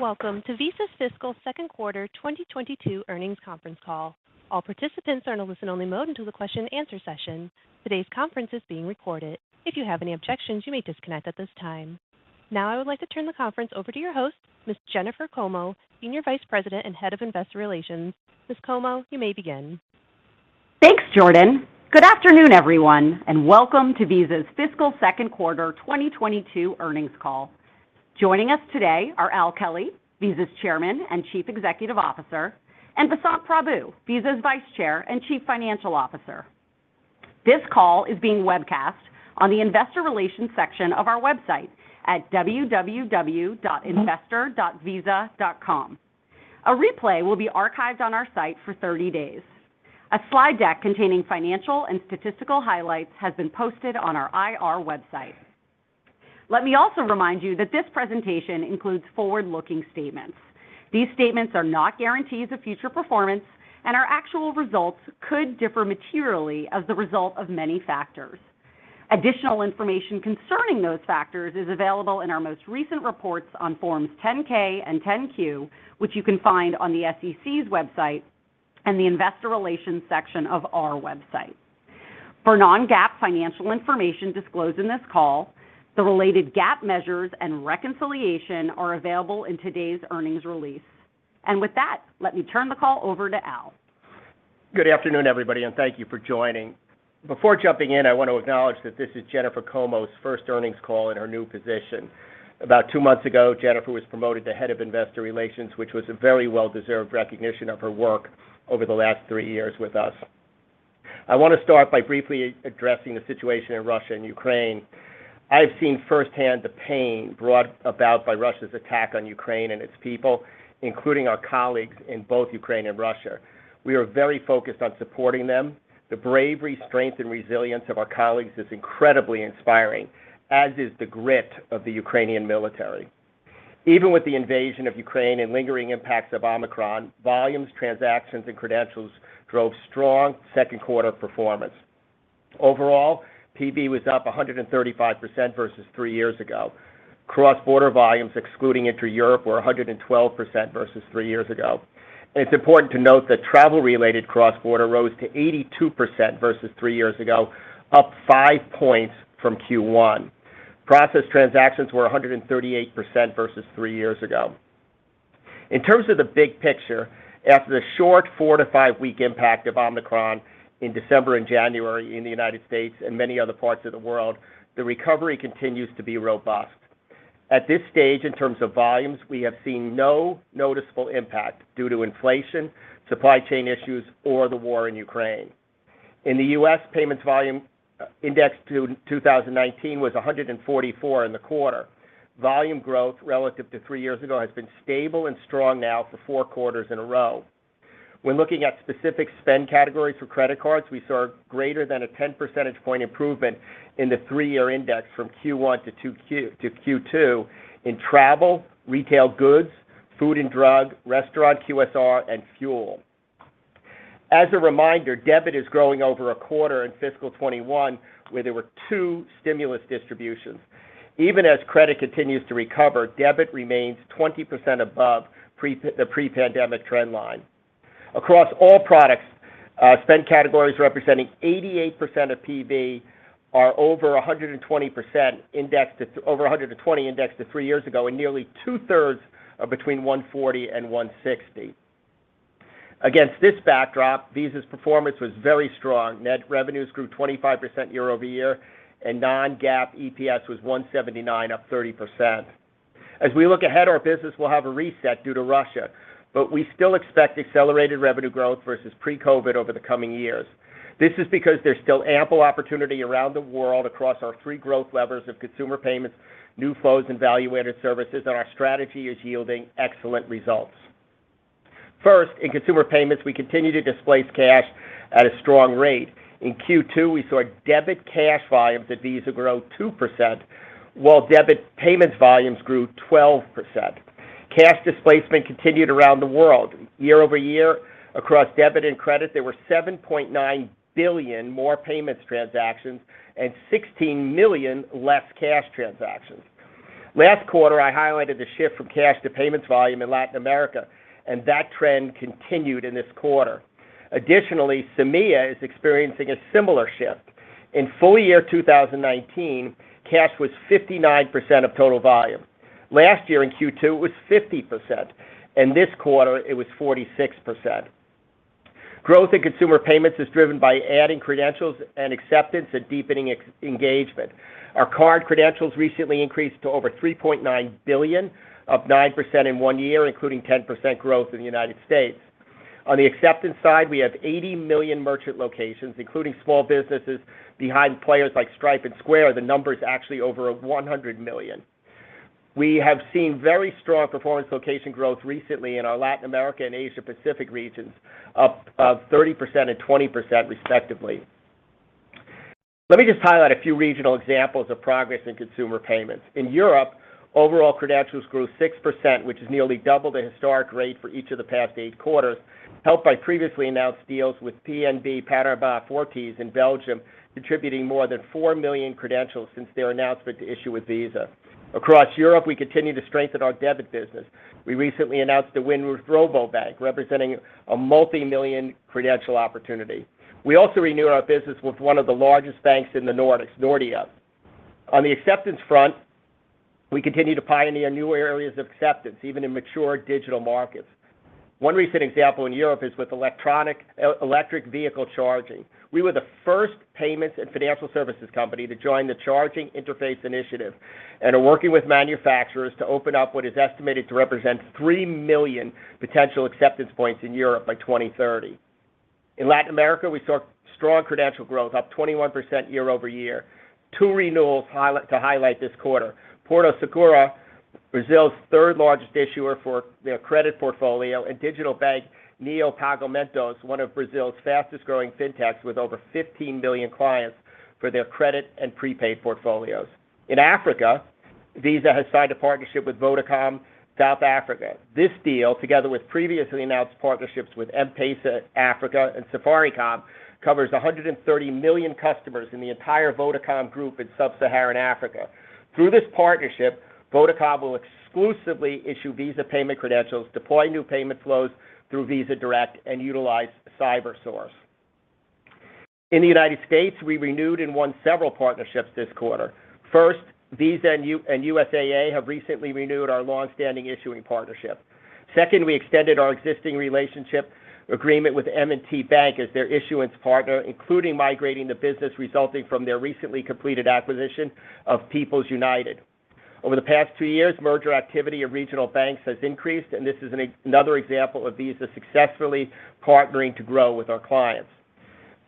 Welcome to Visa's Fiscal Second Quarter 2022 Earnings Conference Call. All participants are in a listen-only mode until the question and answer session. Today's conference is being recorded. If you have any objections, you may disconnect at this time. Now I would like to turn the conference over to your host, Ms. Jennifer Como, Senior Vice President and Head of Investor Relations. Ms. Como, you may begin. Thanks, Jordan. Good afternoon, everyone, and welcome to Visa's Fiscal Second Quarter 2022 Earnings Call. Joining us today are Al Kelly, Visa's Chairman and Chief Executive Officer, and Vasant Prabhu, Visa's Vice Chair and Chief Financial Officer. This call is being webcast on the Investor Relations section of our website at investor.visa.com. A replay will be archived on our site for 30 days. A slide deck containing financial and statistical highlights has been posted on our IR website. Let me also remind you that this presentation includes forward-looking statements. These statements are not guarantees of future performance, and our actual results could differ materially as the result of many factors. Additional information concerning those factors is available in our most recent reports on Forms 10-K and 10-Q, which you can find on the SEC's website and the Investor Relations section of our website. For non-GAAP financial information disclosed in this call, the related GAAP measures and reconciliation are available in today's earnings release. With that, let me turn the call over to Al. Good afternoon, everybody, and thank you for joining. Before jumping in, I want to acknowledge that this is Jennifer Como's first earnings call in her new position. About two months ago, Jennifer was promoted to Head of Investor Relations, which was a very well-deserved recognition of her work over the last three years with us. I want to start by briefly addressing the situation in Russia and Ukraine. I've seen firsthand the pain brought about by Russia's attack on Ukraine and its people, including our colleagues in both Ukraine and Russia. We are very focused on supporting them. The bravery, strength, and resilience of our colleagues is incredibly inspiring, as is the grit of the Ukrainian military. Even with the invasion of Ukraine and lingering impacts of Omicron, volumes, transactions, and credentials drove strong second quarter performance. Overall, PV was up 135% versus three years ago. Cross-border volumes, excluding inter-Europe, were 112% versus three years ago. It's important to note that travel-related cross-border rose to 82% versus three years ago, up five points from Q1. Processed transactions were 138% versus three years ago. In terms of the big picture, after the short four to five week impact of Omicron in December and January in the United States and many other parts of the world, the recovery continues to be robust. At this stage, in terms of volumes, we have seen no noticeable impact due to inflation, supply chain issues, or the war in Ukraine. In the U.S., payments volume indexed to 2019 was 144 in the quarter. Volume growth relative to three years ago has been stable and strong now for four quarters in a row. When looking at specific spend categories for credit cards, we saw greater than a 10 percentage point improvement in the three-year index from Q1 to Q2 in travel, retail goods, food and drug, restaurant, QSR, and fuel. As a reminder, debit is growing over a quarter in fiscal 2021, where there were two stimulus distributions. Even as credit continues to recover, debit remains 20% above the pre-pandemic trend line. Across all products, spend categories representing 88% of PV are over 120% indexed to three years ago, and nearly two-thirds are between 140 and 160. Against this backdrop, Visa's performance was very strong. Net revenues grew 25% YoY, and non-GAAP EPS was $1.79, up 30%. As we look ahead, our business will have a reset due to Russia, but we still expect accelerated revenue growth versus pre-COVID over the coming years. This is because there's still ample opportunity around the world across our three growth levers of consumer payments, new flows, and value-added services, and our strategy is yielding excellent results. First, in consumer payments, we continue to displace cash at a strong rate. In Q2, we saw debit cash volumes at Visa grow 2%, while debit payments volumes grew 12%. Cash displacement continued around the world. YoY, across debit and credit, there were 7.9 billion more payments transactions and 16 million less cash transactions. Last quarter, I highlighted the shift from cash to payments volume in Latin America, and that trend continued in this quarter. Additionally, MEA is experiencing a similar shift. In full year 2019, cash was 59% of total volume. Last year in Q2, it was 50%, and this quarter it was 46%. Growth in consumer payments is driven by adding credentials and acceptance and deepening engagement. Our card credentials recently increased to over 3.9 billion, up 9% in one year, including 10% growth in the United States. On the acceptance side, we have 80 million merchant locations, including small businesses behind players like Stripe and Square. The number is actually over 100 million. We have seen very strong performance location growth recently in our Latin America and Asia Pacific regions, up 30% and 20% respectively. Let me just highlight a few regional examples of progress in consumer payments. In Europe, overall credentials grew 6%, which is nearly double the historic rate for each of the past eight quarters, helped by previously announced deals with BNP Paribas Fortis in Belgium, contributing more than 4 million credentials since their announcement to issue with Visa. Across Europe, we continue to strengthen our debit business. We recently announced the win with Rabobank, representing a multi-million credential opportunity. We also renew our business with one of the largest banks in the Nordics, Nordea. On the acceptance front, we continue to pioneer new areas of acceptance, even in mature digital markets. One recent example in Europe is with electric vehicle charging. We were the first payments and financial services company to join the Charging Interface Initiative and are working with manufacturers to open up what is estimated to represent 3 million potential acceptance points in Europe by 2030. In Latin America, we saw strong credential growth, up 21% YoY. Two renewals highlight this quarter, Porto Seguro, Brazil's third-largest issuer for their credit portfolio, and digital bank, Neon Pagamentos, one of Brazil's fastest-growing fintechs with over 15 million clients for their credit and prepaid portfolios. In Africa, Visa has signed a partnership with Vodacom South Africa. This deal, together with previously announced partnerships with M-PESA Africa and Safaricom, covers 130 million customers in the entire Vodacom group in sub-Saharan Africa. Through this partnership, Vodacom will exclusively issue Visa payment credentials, deploy new payment flows through Visa Direct, and utilize CyberSource. In the United States, we renewed and won several partnerships this quarter. First, Visa and USAA have recently renewed our long-standing issuing partnership. Second, we extended our existing relationship agreement with M&T Bank as their issuance partner, including migrating the business resulting from their recently completed acquisition of People's United. Over the past two years, merger activity of regional banks has increased, and this is another example of Visa successfully partnering to grow with our clients.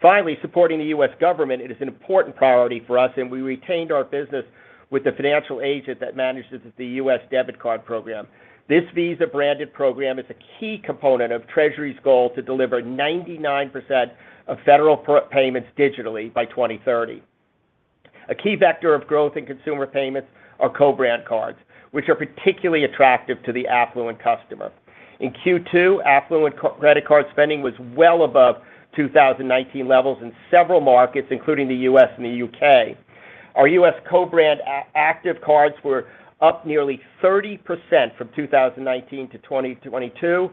Finally, supporting the U.S. government, it is an important priority for us, and we retained our business with the financial agent that manages the U.S. debit card program. This Visa-branded program is a key component of Treasury's goal to deliver 99% of federal payments digitally by 2030. A key vector of growth in consumer payments are co-brand cards, which are particularly attractive to the affluent customer. In Q2, affluent credit card spending was well above 2019 levels in several markets, including the U.S. and the U.K. Our U.S. co-brand active cards were up nearly 30% from 2019 to 2022,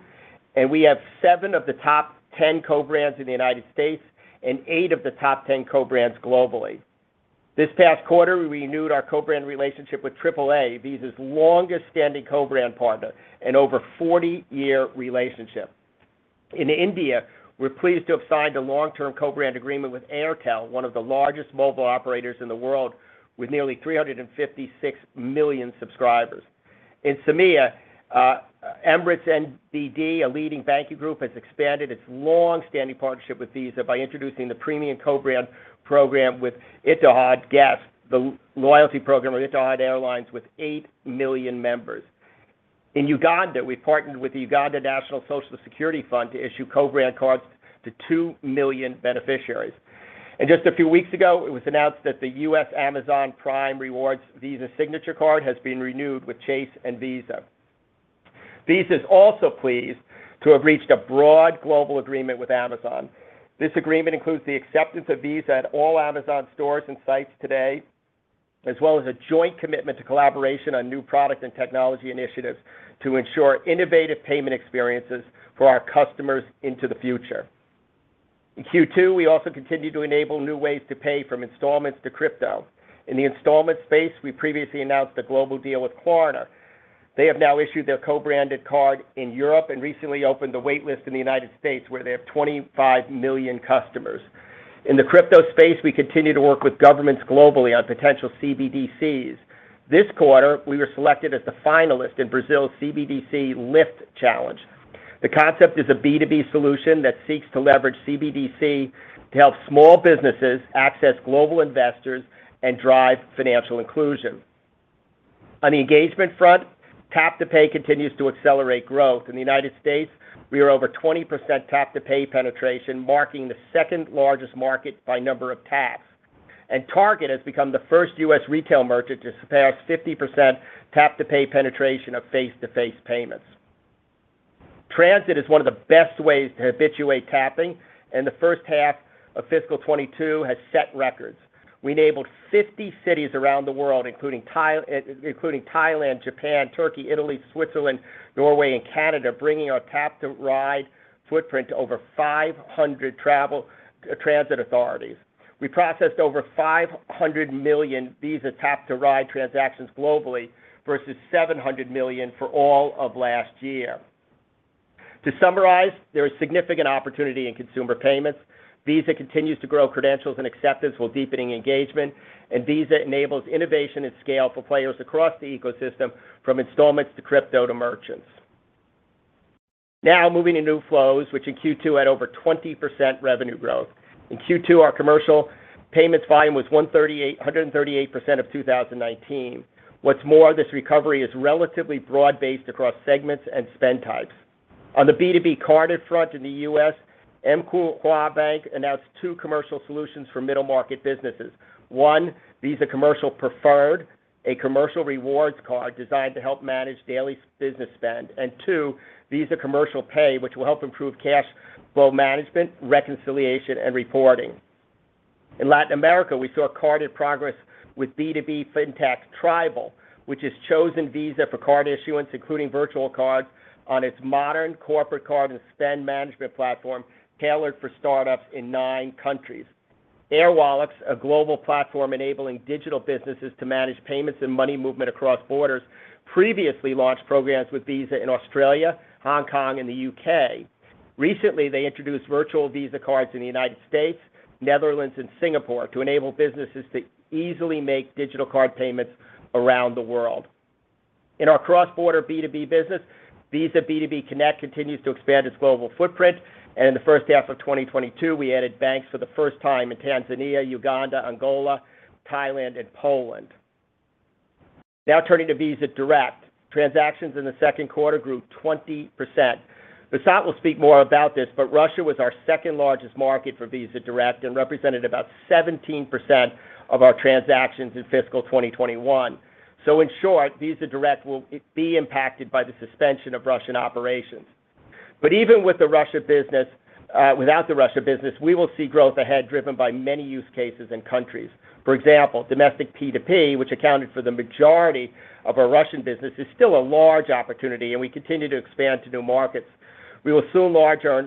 and we have seven of the top 10 co-brands in the United States and eight of the top 10 co-brands globally. This past quarter, we renewed our co-brand relationship with AAA, Visa's longest-standing co-brand partner, an over-40-year relationship. In India, we're pleased to have signed a long-term co-brand agreement with Airtel, one of the largest mobile operators in the world, with nearly 356 million subscribers. In MEA, Emirates NBD, a leading banking group, has expanded its long-standing partnership with Visa by introducing the premium co-brand program with Etihad Guest, the loyalty program of Etihad Airways with 8 million members. In Uganda, we partnered with the Uganda National Social Security Fund to issue co-brand cards to 2 million beneficiaries. Just a few weeks ago, it was announced that the U.S. Amazon Prime Rewards Visa Signature card has been renewed with Chase and Visa. Visa is also pleased to have reached a broad global agreement with Amazon. This agreement includes the acceptance of Visa at all Amazon stores and sites today, as well as a joint commitment to collaboration on new product and technology initiatives to ensure innovative payment experiences for our customers into the future. In Q2, we also continued to enable new ways to pay from installments to crypto. In the installment space, we previously announced a global deal with Klarna. They have now issued their co-branded card in Europe and recently opened a wait list in the United States, where they have 25 million customers. In the crypto space, we continue to work with governments globally on potential CBDCs. This quarter, we were selected as the finalist in Brazil's CBDC LIFT Challenge. The concept is a B2B solution that seeks to leverage CBDC to help small businesses access global investors and drive financial inclusion. On the engagement front, tap to pay continues to accelerate growth. In the United States, we are over 20% tap to pay penetration, marking the second-largest market by number of taps. Target has become the first U.S. retail merchant to surpass 50% tap-to-pay penetration of face-to-face payments. Transit is one of the best ways to habituate tapping, and the first half of fiscal 2022 has set records. We enabled 50 cities around the world, including Thailand, Japan, Turkey, Italy, Switzerland, Norway, and Canada, bringing our tap-to-ride footprint to over 500 travel, transit authorities. We processed over 500 million Visa tap-to-ride transactions globally versus 700 million for all of last year. To summarize, there is significant opportunity in consumer payments. Visa continues to grow credentials and acceptance while deepening engagement, and Visa enables innovation and scale for players across the ecosystem from installments to crypto to merchants. Now moving to new flows, which in Q2 had over 20% revenue growth. In Q2, our commercial payments volume was 138% of 2019. What's more, this recovery is relatively broad-based across segments and spend types. On the B2B carded front in the U.S., M&T Bank announced two commercial solutions for middle market businesses. One, Visa Commercial Preferred, a commercial rewards card designed to help manage daily business spend. And two, Visa Commercial Pay, which will help improve cash flow management, reconciliation, and reporting. In Latin America, we saw solid progress with B2B fintech Tribal, which has chosen Visa for card issuance, including virtual cards, on its modern corporate card and spend management platform tailored for startups in nine countries. Airwallex, a global platform enabling digital businesses to manage payments and money movement across borders, previously launched programs with Visa in Australia, Hong Kong, and the U.K. Recently, they introduced virtual Visa cards in the United States, Netherlands, and Singapore to enable businesses to easily make digital card payments around the world. In our cross-border B2B business, Visa B2B Connect continues to expand its global footprint, and in the first half of 2022, we added banks for the first time in Tanzania, Uganda, Angola, Thailand, and Poland. Now turning to Visa Direct. Transactions in the second quarter grew 20%. Vasant will speak more about this, but Russia was our second-largest market for Visa Direct and represented about 17% of our transactions in fiscal 2021. In short, Visa Direct will be impacted by the suspension of Russian operations. Even with the Russia business, without the Russia business, we will see growth ahead driven by many use cases and countries. For example, domestic P2P, which accounted for the majority of our Russian business, is still a large opportunity, and we continue to expand to new markets. We will soon launch our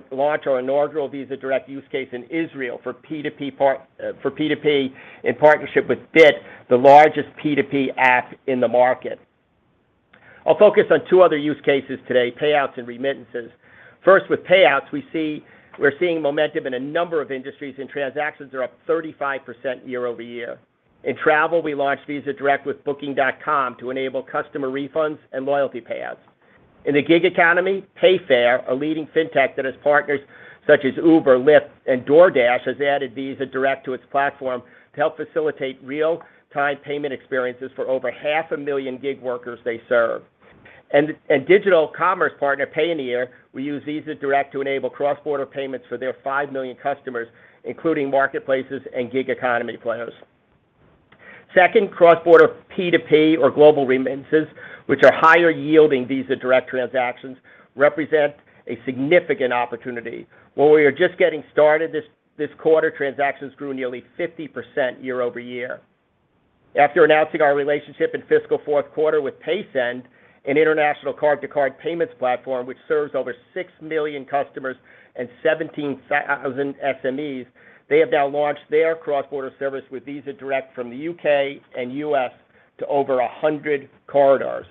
inaugural Visa Direct use case in Israel for P2P in partnership with BIT, the largest P2P app in the market. I'll focus on two other use cases today, payouts and remittances. First, with payouts, we're seeing momentum in a number of industries, and transactions are up 35% YoY. In travel, we launched Visa Direct with Booking.com to enable customer refunds and loyalty payouts. In the gig economy, Payfare, a leading fintech that has partners such as Uber, Lyft, and DoorDash, has added Visa Direct to its platform to help facilitate real-time payment experiences for over 500,000 gig workers they serve. Digital commerce partner, Payoneer, will use Visa Direct to enable cross-border payments for their 5 million customers, including marketplaces and gig economy players. Second, cross-border P2P or global remittances, which are higher-yielding Visa Direct transactions, represent a significant opportunity. While we are just getting started, this quarter, transactions grew nearly 50% YoY. After announcing our relationship in fiscal fourth quarter with Paysend, an international card-to-card payments platform which serves over 6 million customers and 17,000 SMEs, they have now launched their cross-border service with Visa Direct from the U.K. and U.S. to over 100 corridors.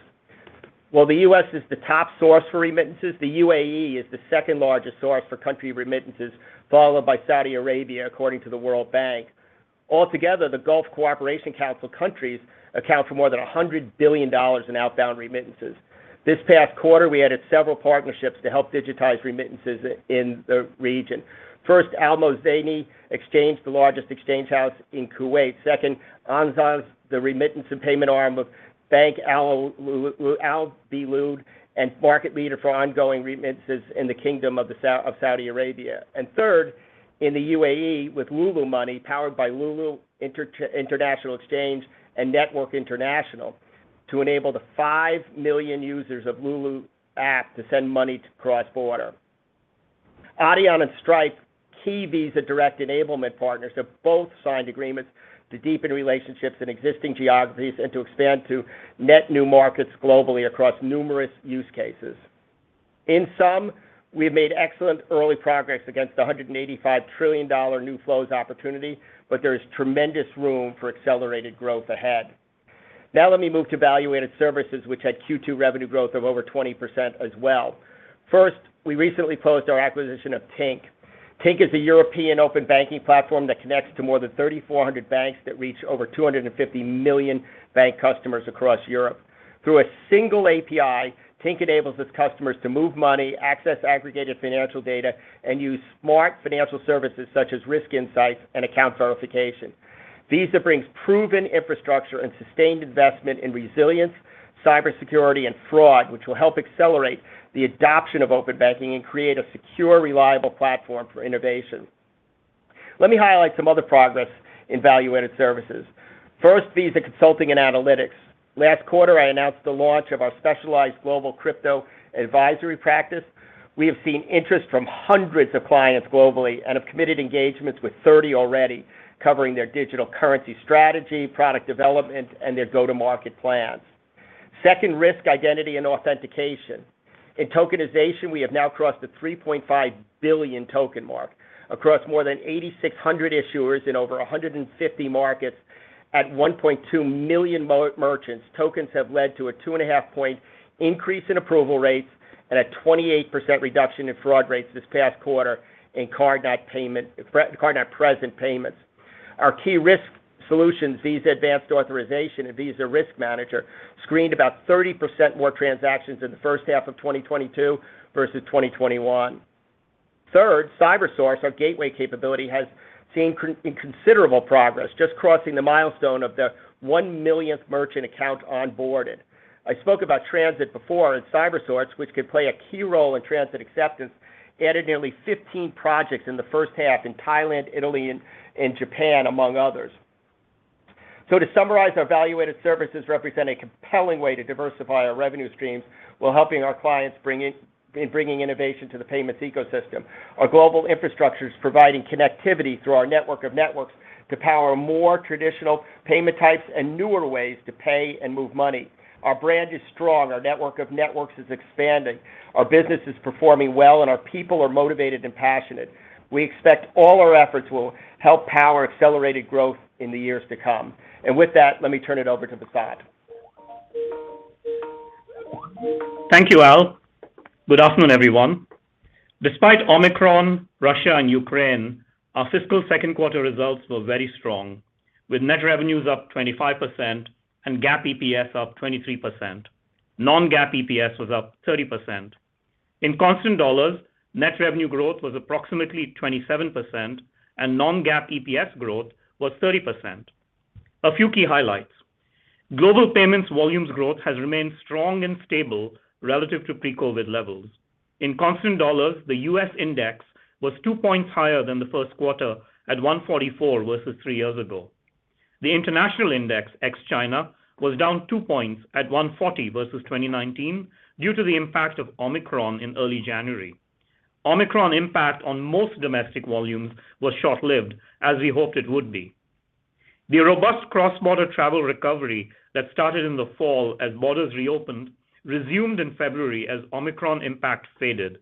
While the U.S. is the top source for remittances, the UAE is the second-largest source for country remittances, followed by Saudi Arabia, according to the World Bank. Altogether, the Gulf Cooperation Council countries account for more than $100 billion in outbound remittances. This past quarter, we added several partnerships to help digitize remittances in the region. First, Al Muzaini Exchange, the largest exchange house in Kuwait. Second, Enjaz, the remittance and payment arm of Bank Albilad and market leader for outgoing remittances in the Kingdom of Saudi Arabia. Third, in the UAE, with LuLu Money, powered by LuLu International Exchange and Network International, to enable the 5 million users of LuLu app to send money cross-border. Adyen and Stripe, key Visa Direct enablement partners, have both signed agreements to deepen relationships in existing geographies and to expand to net new markets globally across numerous use cases. In sum, we have made excellent early progress against the $185 trillion new flows opportunity, but there is tremendous room for accelerated growth ahead. Now let me move to value-added services, which had Q2 revenue growth of over 20% as well. First, we recently closed our acquisition of Tink. Tink is a European open banking platform that connects to more than 3,400 banks that reach over 250 million bank customers across Europe. Through a single API, Tink enables its customers to move money, access aggregated financial data, and use smart financial services such as risk insights and account certification. Visa brings proven infrastructure and sustained investment in resilience, cybersecurity, and fraud, which will help accelerate the adoption of open banking and create a secure, reliable platform for innovation. Let me highlight some other progress in value-added services. First, Visa Consulting and Analytics. Last quarter, I announced the launch of our specialized global crypto advisory practice. We have seen interest from hundreds of clients globally and have committed engagements with 30 already, covering their digital currency strategy, product development, and their go-to-market plans. Second, Risk, Identity, and Authentication. In tokenization, we have now crossed the 3.5 billion token mark. Across more than 8,600 issuers in over 150 markets at 1.2 million merchants, tokens have led to a 2.5-point increase in approval rates and a 28% reduction in fraud rates this past quarter in card-not-present payments. Our key risk solutions, Visa Advanced Authorization and Visa Risk Manager, screened about 30% more transactions in the first half of 2022 versus 2021. Third, CyberSource, our gateway capability, has seen considerable progress, just crossing the milestone of the 1 millionth merchant account onboarded. I spoke about transit before and CyberSource, which could play a key role in transit acceptance, added nearly 15 projects in the first half in Thailand, Italy, and Japan, among others. To summarize, our value-added services represent a compelling way to diversify our revenue streams while helping our clients bringing innovation to the payments ecosystem. Our global infrastructure is providing connectivity through our network of networks to power more traditional payment types and newer ways to pay and move money. Our brand is strong. Our network of networks is expanding. Our business is performing well, and our people are motivated and passionate. We expect all our efforts will help power accelerated growth in the years to come. With that, let me turn it over to Vasant. Thank you, Al. Good afternoon, everyone. Despite Omicron, Russia, and Ukraine, our fiscal second quarter results were very strong, with net revenues up 25% and GAAP EPS up 23%. Non-GAAP EPS was up 30%. In constant dollars, net revenue growth was approximately 27% and non-GAAP EPS growth was 30%. A few key highlights. Global payments volumes growth has remained strong and stable relative to pre-COVID levels. In constant dollars, the U.S. index was two points higher than the first quarter at 144 versus three years ago. The international index, ex-China, was down two points at 140 versus 2019 due to the impact of Omicron in early January. Omicron impact on most domestic volumes was short-lived, as we hoped it would be. The robust cross-border travel recovery that started in the fall as borders reopened resumed in February as Omicron impact faded.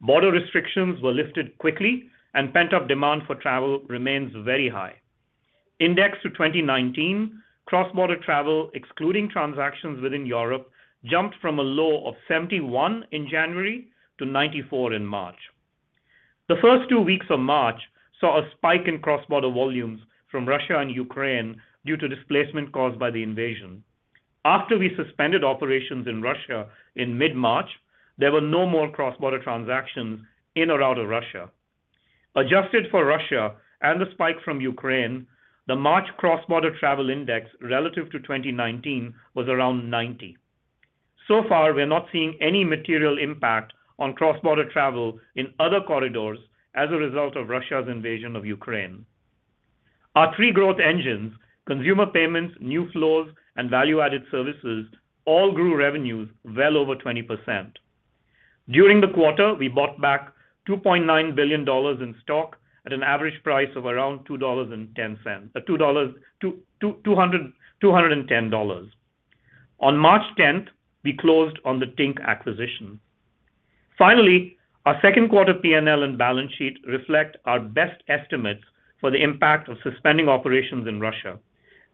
Border restrictions were lifted quickly and pent-up demand for travel remains very high. Indexed to 2019, cross-border travel, excluding transactions within Europe, jumped from a low of 71 in January to 94 in March. The first two weeks of March saw a spike in cross-border volumes from Russia and Ukraine due to displacement caused by the invasion. After we suspended operations in Russia in mid-March, there were no more cross-border transactions in or out of Russia. Adjusted for Russia and the spike from Ukraine, the March cross-border travel index relative to 2019 was around 90. So far, we are not seeing any material impact on cross-border travel in other corridors as a result of Russia's invasion of Ukraine. Our three growth engines, consumer payments, new flows, and value-added services, all grew revenues well over 20%. During the quarter, we bought back $2.9 billion in stock at an average price of around $210. On March tenth, we closed on the Tink acquisition. Finally, our second quarter P&L and balance sheet reflect our best estimates for the impact of suspending operations in Russia.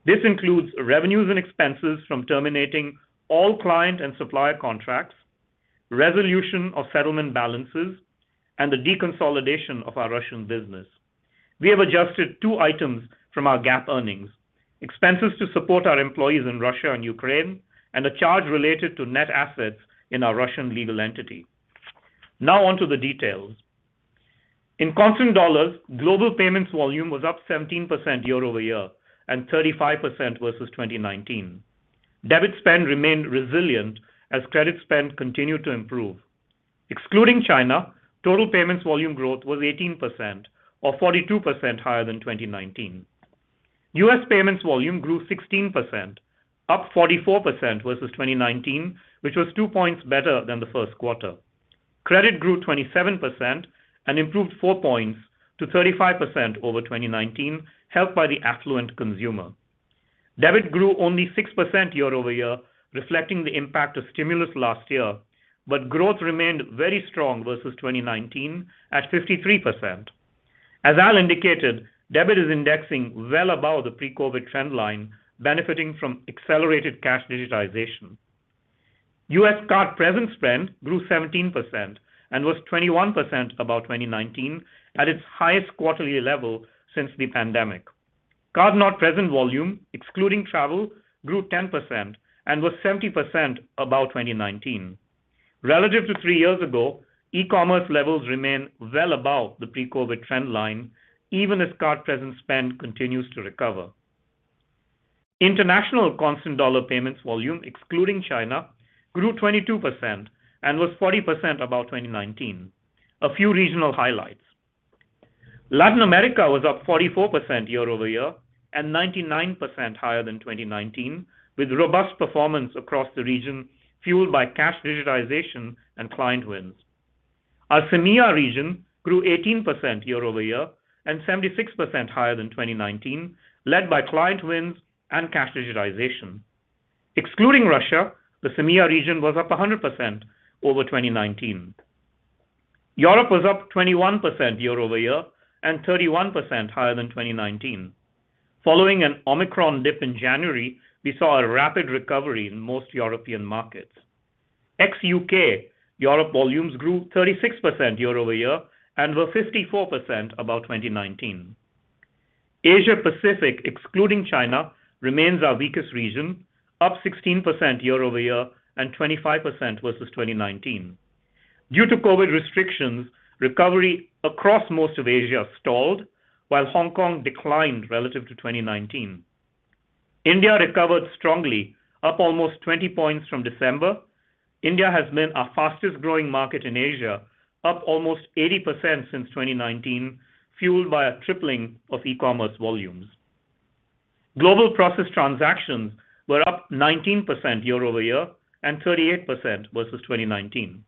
This includes revenues and expenses from terminating all client and supplier contracts, resolution of settlement balances, and the deconsolidation of our Russian business. We have adjusted two items from our GAAP earnings, expenses to support our employees in Russia and Ukraine, and a charge related to net assets in our Russian legal entity. Now on to the details. In constant dollars, global payments volume was up 17% YoY and 35% versus 2019. Debit spend remained resilient as credit spend continued to improve. Excluding China, total payments volume growth was 18% or 42% higher than 2019. U.S. payments volume grew 16%, up 44% versus 2019, which was 2 points better than the first quarter. Credit grew 27% and improved 4 points to 35% over 2019, helped by the affluent consumer. Debit grew only 6% YoY, reflecting the impact of stimulus last year, but growth remained very strong versus 2019 at 53%. As Al indicated, debit is indexing well above the pre-COVID trend line, benefiting from accelerated cash digitization. U.S. card-present spend grew 17% and was 21% above 2019 at its highest quarterly level since the pandemic. Card-not-present volume, excluding travel, grew 10% and was 70% above 2019. Relative to three years ago, e-commerce levels remain well above the pre-COVID trend line, even as card-present spend continues to recover. International constant dollar payments volume, excluding China, grew 22% and was 40% above 2019. A few regional highlights. Latin America was up 44% year over year and 99% higher than 2019, with robust performance across the region fueled by cash digitization and client wins. Our MEA region grew 18% year over year and 76% higher than 2019, led by client wins and cash digitization. Excluding Russia, the MEA region was up 100% over 2019. Europe was up 21% year over year and 31% higher than 2019. Following an Omicron dip in January, we saw a rapid recovery in most European markets. Ex-U.K. Europe volumes grew 36% YoY and were 54% above 2019. Asia Pacific, excluding China, remains our weakest region, up 16% YoY and 25% versus 2019. Due to COVID restrictions, recovery across most of Asia stalled while Hong Kong declined relative to 2019. India recovered strongly, up almost 20 points from December. India has been our fastest-growing market in Asia, up almost 80% since 2019, fueled by a tripling of e-commerce volumes. Global processed transactions were up 19% YoY and 38% versus 2019.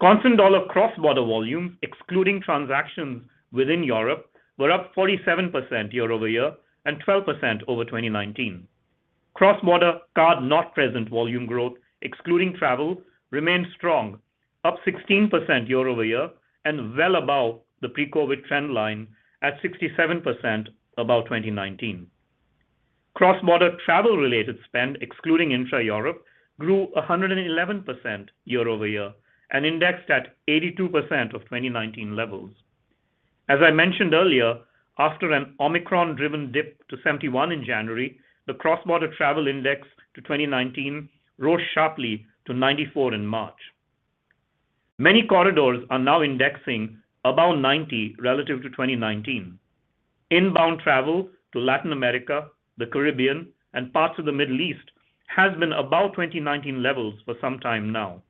Constant-dollar cross-border volumes, excluding transactions within Europe, were up 47% YoY and 12% over 2019. Cross-border card-not-present volume growth, excluding travel, remained strong, up 16% YoY and well above the pre-COVID trend line at 67% above 2019. Cross-border travel-related spend, excluding intra-Europe, grew 111% YoY and indexed at 82% of 2019 levels. As I mentioned earlier, after an Omicron-driven dip to 71 in January, the cross-border travel index to 2019 rose sharply to 94 in March. Many corridors are now indexing above 90 relative to 2019. Inbound travel to Latin America, the Caribbean, and parts of the Middle East has been above 2019 levels for some time now.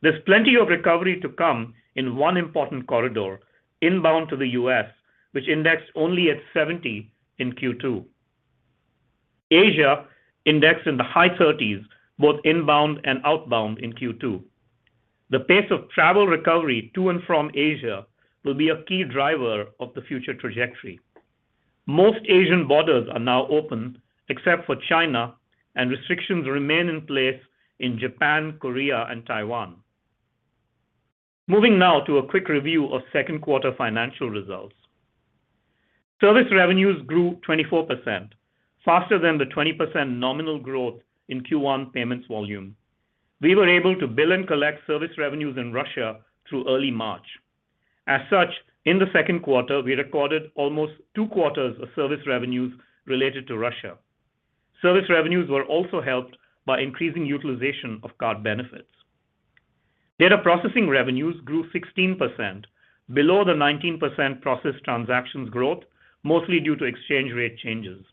There's plenty of recovery to come in one important corridor, inbound to the U.S., which indexed only at 70 in Q2. Asia indexed in the high 30s, both inbound and outbound in Q2. The pace of travel recovery to and from Asia will be a key driver of the future trajectory. Most Asian borders are now open, except for China, and restrictions remain in place in Japan, Korea, and Taiwan. Moving now to a quick review of second quarter financial results. Service revenues grew 24%, faster than the 20% nominal growth in Q1 payments volume. We were able to bill and collect service revenues in Russia through early March. As such, in the second quarter, we recorded almost two quarters of service revenues related to Russia. Service revenues were also helped by increasing utilization of card benefits. Data processing revenues grew 16%, below the 19% processed transactions growth, mostly due to exchange rate changes.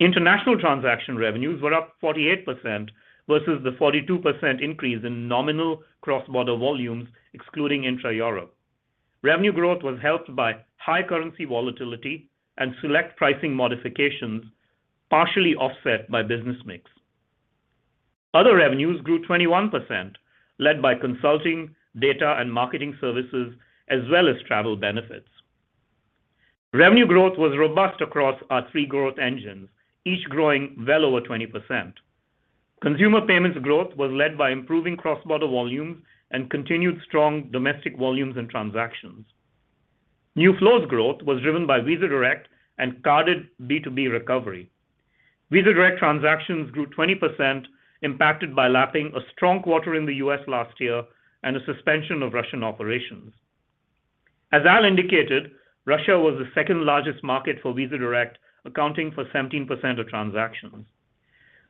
International transaction revenues were up 48% versus the 42% increase in nominal cross-border volumes, excluding intra-Europe. Revenue growth was helped by high currency volatility and select pricing modifications, partially offset by business mix. Other revenues grew 21%, led by consulting, data, and marketing services, as well as travel benefits. Revenue growth was robust across our three growth engines, each growing well over 20%. Consumer payments growth was led by improving cross-border volumes and continued strong domestic volumes and transactions. New flows growth was driven by Visa Direct and carded B2B recovery. Visa Direct transactions grew 20%, impacted by lapping a strong quarter in the U.S. last year and a suspension of Russian operations. As Al indicated, Russia was the second-largest market for Visa Direct, accounting for 17% of transactions.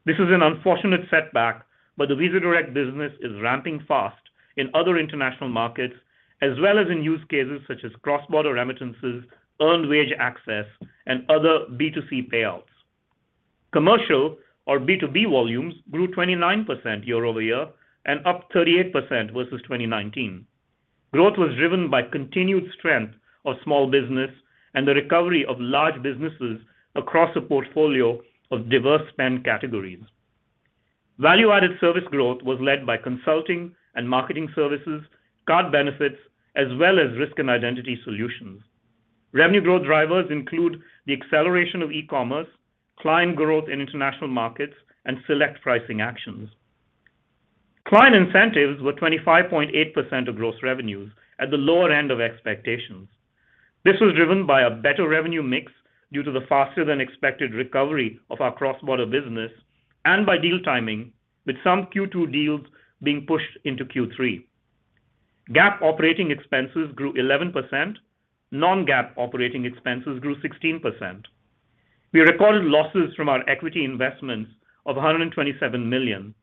This is an unfortunate setback, but the Visa Direct business is ramping fast in other international markets, as well as in use cases such as cross-border remittances, earned wage access, and other B2C payouts. Commercial or B2B volumes grew 29% YoY and up 38% versus 2019. Growth was driven by continued strength of small business and the recovery of large businesses across a portfolio of diverse spend categories. Value-added service growth was led by consulting and marketing services, card benefits, as well as risk and identity solutions. Revenue growth drivers include the acceleration of e-commerce, client growth in international markets, and select pricing actions. Client incentives were 25.8% of gross revenues at the lower end of expectations. This was driven by a better revenue mix due to the faster than expected recovery of our cross-border business and by deal timing, with some Q2 deals being pushed into Q3. GAAP operating expenses grew 11%. Non-GAAP operating expenses grew 16%. We recorded losses from our equity investments of $127 million.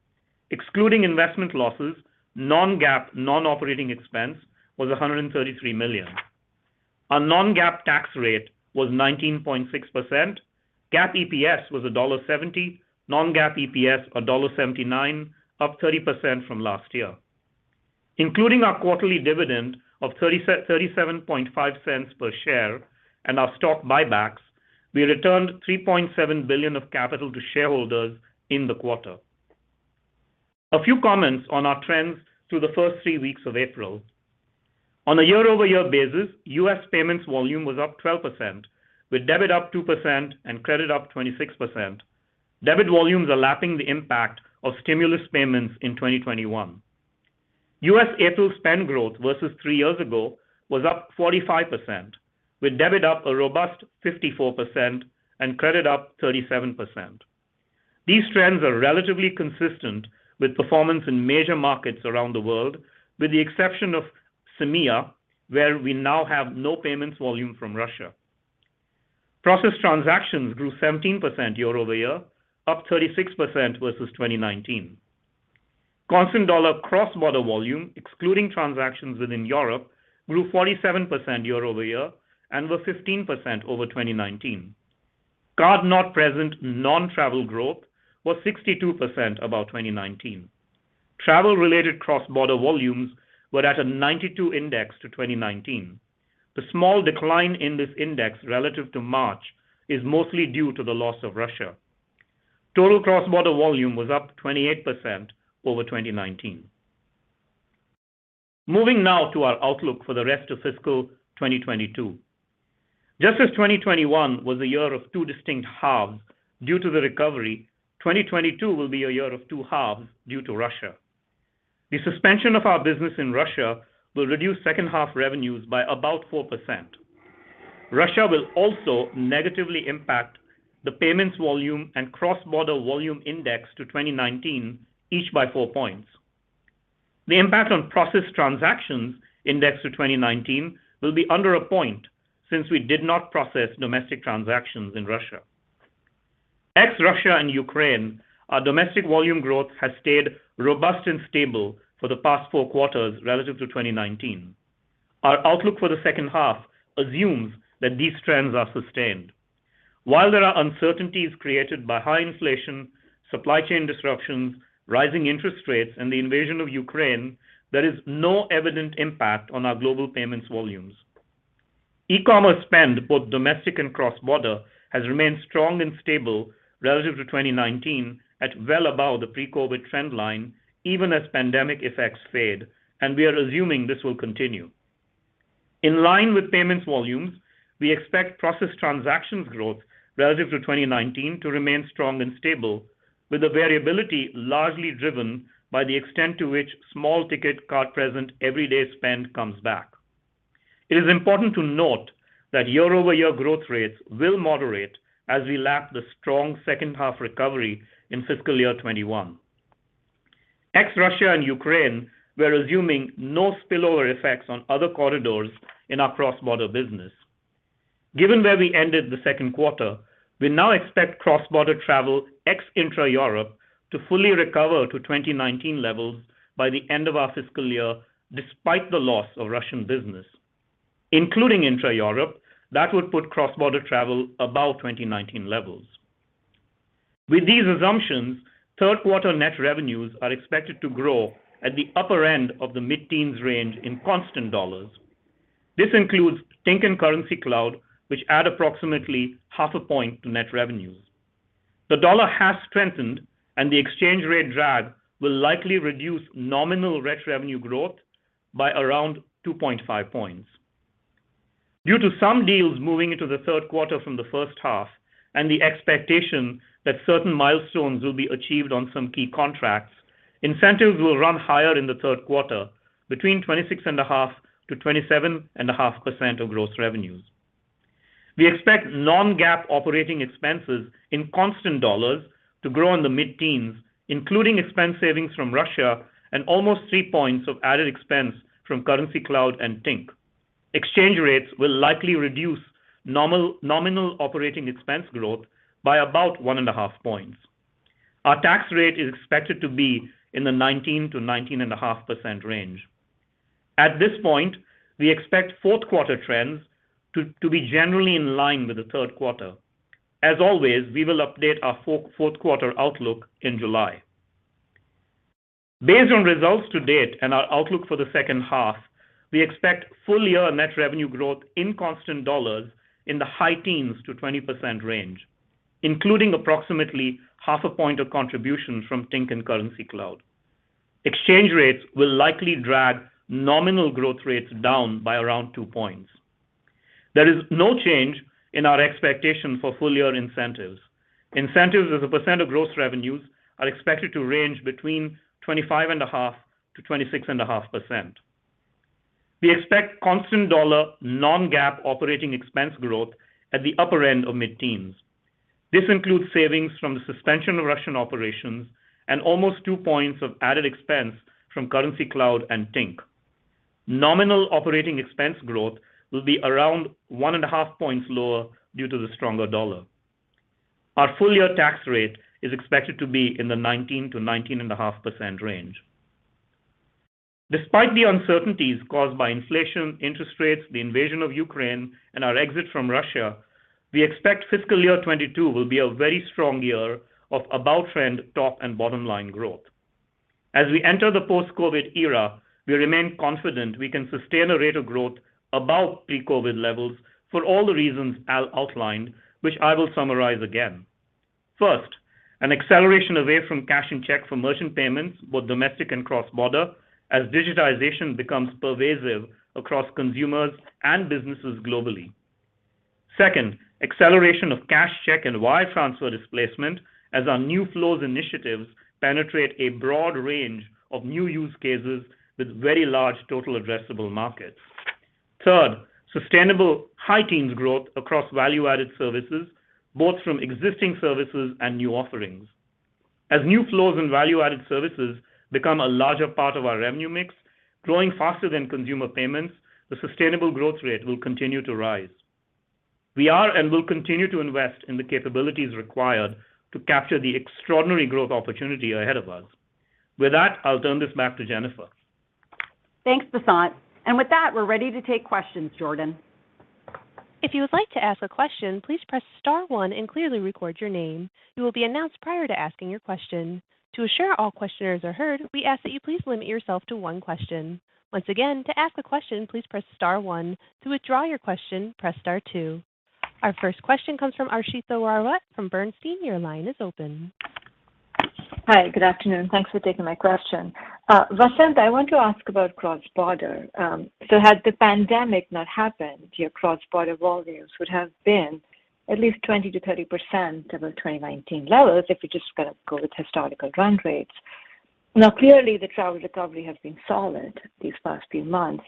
Excluding investment losses, non-GAAP non-operating expense was $133 million. Our non-GAAP tax rate was 19.6%. GAAP EPS was $1.70. Non-GAAP EPS $1.79, up 30% from last year. Including our quarterly dividend of $0.375 per share and our stock buybacks, we returned $3.7 billion of capital to shareholders in the quarter. A few comments on our trends through the first 3 weeks of April. On a YoY basis, U.S. payments volume was up 12%, with debit up 2% and credit up 26%. Debit volumes are lapping the impact of stimulus payments in 2021. U.S. April spend growth versus 3 years ago was up 45%, with debit up a robust 54% and credit up 37%. These trends are relatively consistent with performance in major markets around the world with the exception of CEMEA, where we now have no payments volume from Russia. Processed transactions grew 17% YoY, up 36% versus 2019. Constant dollar cross-border volume, excluding transactions within Europe, grew 47% YoY and were 15% over 2019. Card not present non-travel growth was 62% above 2019. Travel-related cross-border volumes were at a 92 index to 2019. The small decline in this index relative to March is mostly due to the loss of Russia. Total cross-border volume was up 28% over 2019. Moving now to our outlook for the rest of fiscal 2022. Just as 2021 was a year of two distinct halves due to the recovery, 2022 will be a year of two halves due to Russia. The suspension of our business in Russia will reduce second half revenues by about 4%. Russia will also negatively impact the payments volume and cross-border volume index to 2019 each by four points. The impact on processed transactions index to 2019 will be under 1 point since we did not process domestic transactions in Russia. Ex Russia and Ukraine, our domestic volume growth has stayed robust and stable for the past four quarters relative to 2019. Our outlook for the second half assumes that these trends are sustained. While there are uncertainties created by high inflation, supply chain disruptions, rising interest rates, and the invasion of Ukraine, there is no evident impact on our global payments volumes. E-commerce spend, both domestic and cross-border, has remained strong and stable relative to 2019 at well above the pre-COVID trend line even as pandemic effects fade, and we are assuming this will continue. In line with payments volumes, we expect processed transactions growth relative to 2019 to remain strong and stable with the variability largely driven by the extent to which small ticket card present everyday spend comes back. It is important to note that YoY growth rates will moderate as we lap the strong second half recovery in fiscal year 2021. Ex Russia and Ukraine, we're assuming no spillover effects on other corridors in our cross-border business. Given where we ended the second quarter, we now expect cross-border travel ex-intra-Europe to fully recover to 2019 levels by the end of our fiscal year despite the loss of Russian business. Including intra-Europe, that would put cross-border travel above 2019 levels. With these assumptions, third quarter net revenues are expected to grow at the upper end of the mid-teens% range in constant dollars. This includes Tink and Currencycloud, which add approximately half a point to net revenues. The dollar has strengthened, and the exchange rate drag will likely reduce nominal net revenue growth by around 2.5 points. Due to some deals moving into the third quarter from the first half and the expectation that certain milestones will be achieved on some key contracts, incentives will run higher in the third quarter between 26.5% and 27.5% of gross revenues. We expect non-GAAP operating expenses in constant dollars to grow in the mid-teens, including expense savings from Russia and almost three points of added expense from Currencycloud and Tink. Exchange rates will likely reduce nominal operating expense growth by about 1.5 points. Our tax rate is expected to be in the 19%-19.5% range. At this point, we expect fourth-quarter trends to be generally in line with the third quarter. As always, we will update our fourth-quarter outlook in July. Based on results to date and our outlook for the second half, we expect full-year net revenue growth in constant dollars in the high teens to 20% range, including approximately 0.5 point of contribution from Tink and Currencycloud. Exchange rates will likely drag nominal growth rates down by around two points. There is no change in our expectation for full-year incentives. Incentives as a percent of gross revenues are expected to range between 25.5% and 26.5%. We expect constant dollar non-GAAP operating expense growth at the upper end of mid-teens. This includes savings from the suspension of Russian operations and almost two points of added expense from Currencycloud and Tink. Nominal operating expense growth will be around 1.5 points lower due to the stronger dollar. Our full-year tax rate is expected to be in the 19% to 19.5% range. Despite the uncertainties caused by inflation, interest rates, the invasion of Ukraine, and our exit from Russia, we expect fiscal year 2022 will be a very strong year of above-trend top- and bottom-line growth. As we enter the post-COVID era, we remain confident we can sustain a rate of growth above pre-COVID levels for all the reasons Al outlined, which I will summarize again. First, an acceleration away from cash and check for merchant payments, both domestic and cross-border, as digitization becomes pervasive across consumers and businesses globally. Second, acceleration of cash, check, and wire transfer displacement as our new flows initiatives penetrate a broad range of new use cases with very large total addressable markets. Third, sustainable high-teens growth across value-added services, both from existing services and new offerings. As new flows and value-added services become a larger part of our revenue mix, growing faster than consumer payments, the sustainable growth rate will continue to rise. We are and will continue to invest in the capabilities required to capture the extraordinary growth opportunity ahead of us. With that, I'll turn this back to Jennifer. Thanks, Vasant. With that, we're ready to take questions, Jordan. If you would like to ask a question, please press star one and clearly record your name. You will be announced prior to asking your question. To assure all questioners are heard, we ask that you please limit yourself to one question. Once again, to ask a question, please press star one. To withdraw your question, press star two. Our first question comes from Harshita Rawat from Bernstein. Your line is open. Hi. Good afternoon. Thanks for taking my question. Vasant, I want to ask about cross-border. Had the pandemic not happened, your cross-border volumes would have been at least 20% to 30% above 2019 levels if you just kinda go with historical run rates. Now, clearly the travel recovery has been solid these past few months.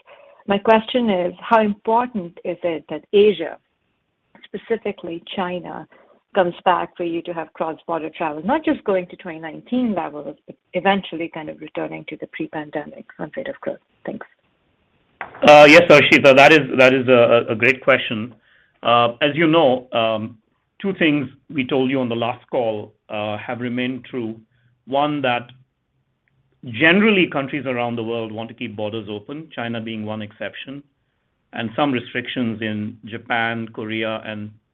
My question is, how important is it that Asia, specifically China, comes back for you to have cross-border travel, not just going to 2019 levels, but eventually kind of returning to the pre-pandemic run rate of growth? Thanks. Yes, Harshita, that is a great question. As you know, two things we told you on the last call have remained true. One, that generally countries around the world want to keep borders open, China being one exception, and some restrictions in Japan, Korea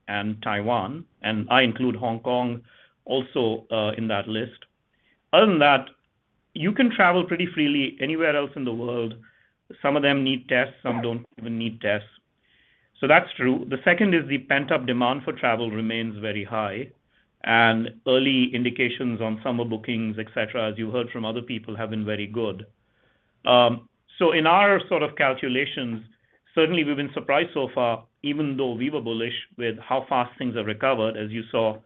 and Taiwan, and I include Hong Kong also in that list. Other than that, you can travel pretty freely anywhere else in the world. Some of them need tests, some don't even need tests. That's true. The second is the pent-up demand for travel remains very high, and early indications on summer bookings, et cetera, as you heard from other people, have been very good. In our sort of calculations, certainly we've been surprised so far, even though we were bullish with how fast things have recovered. As you saw,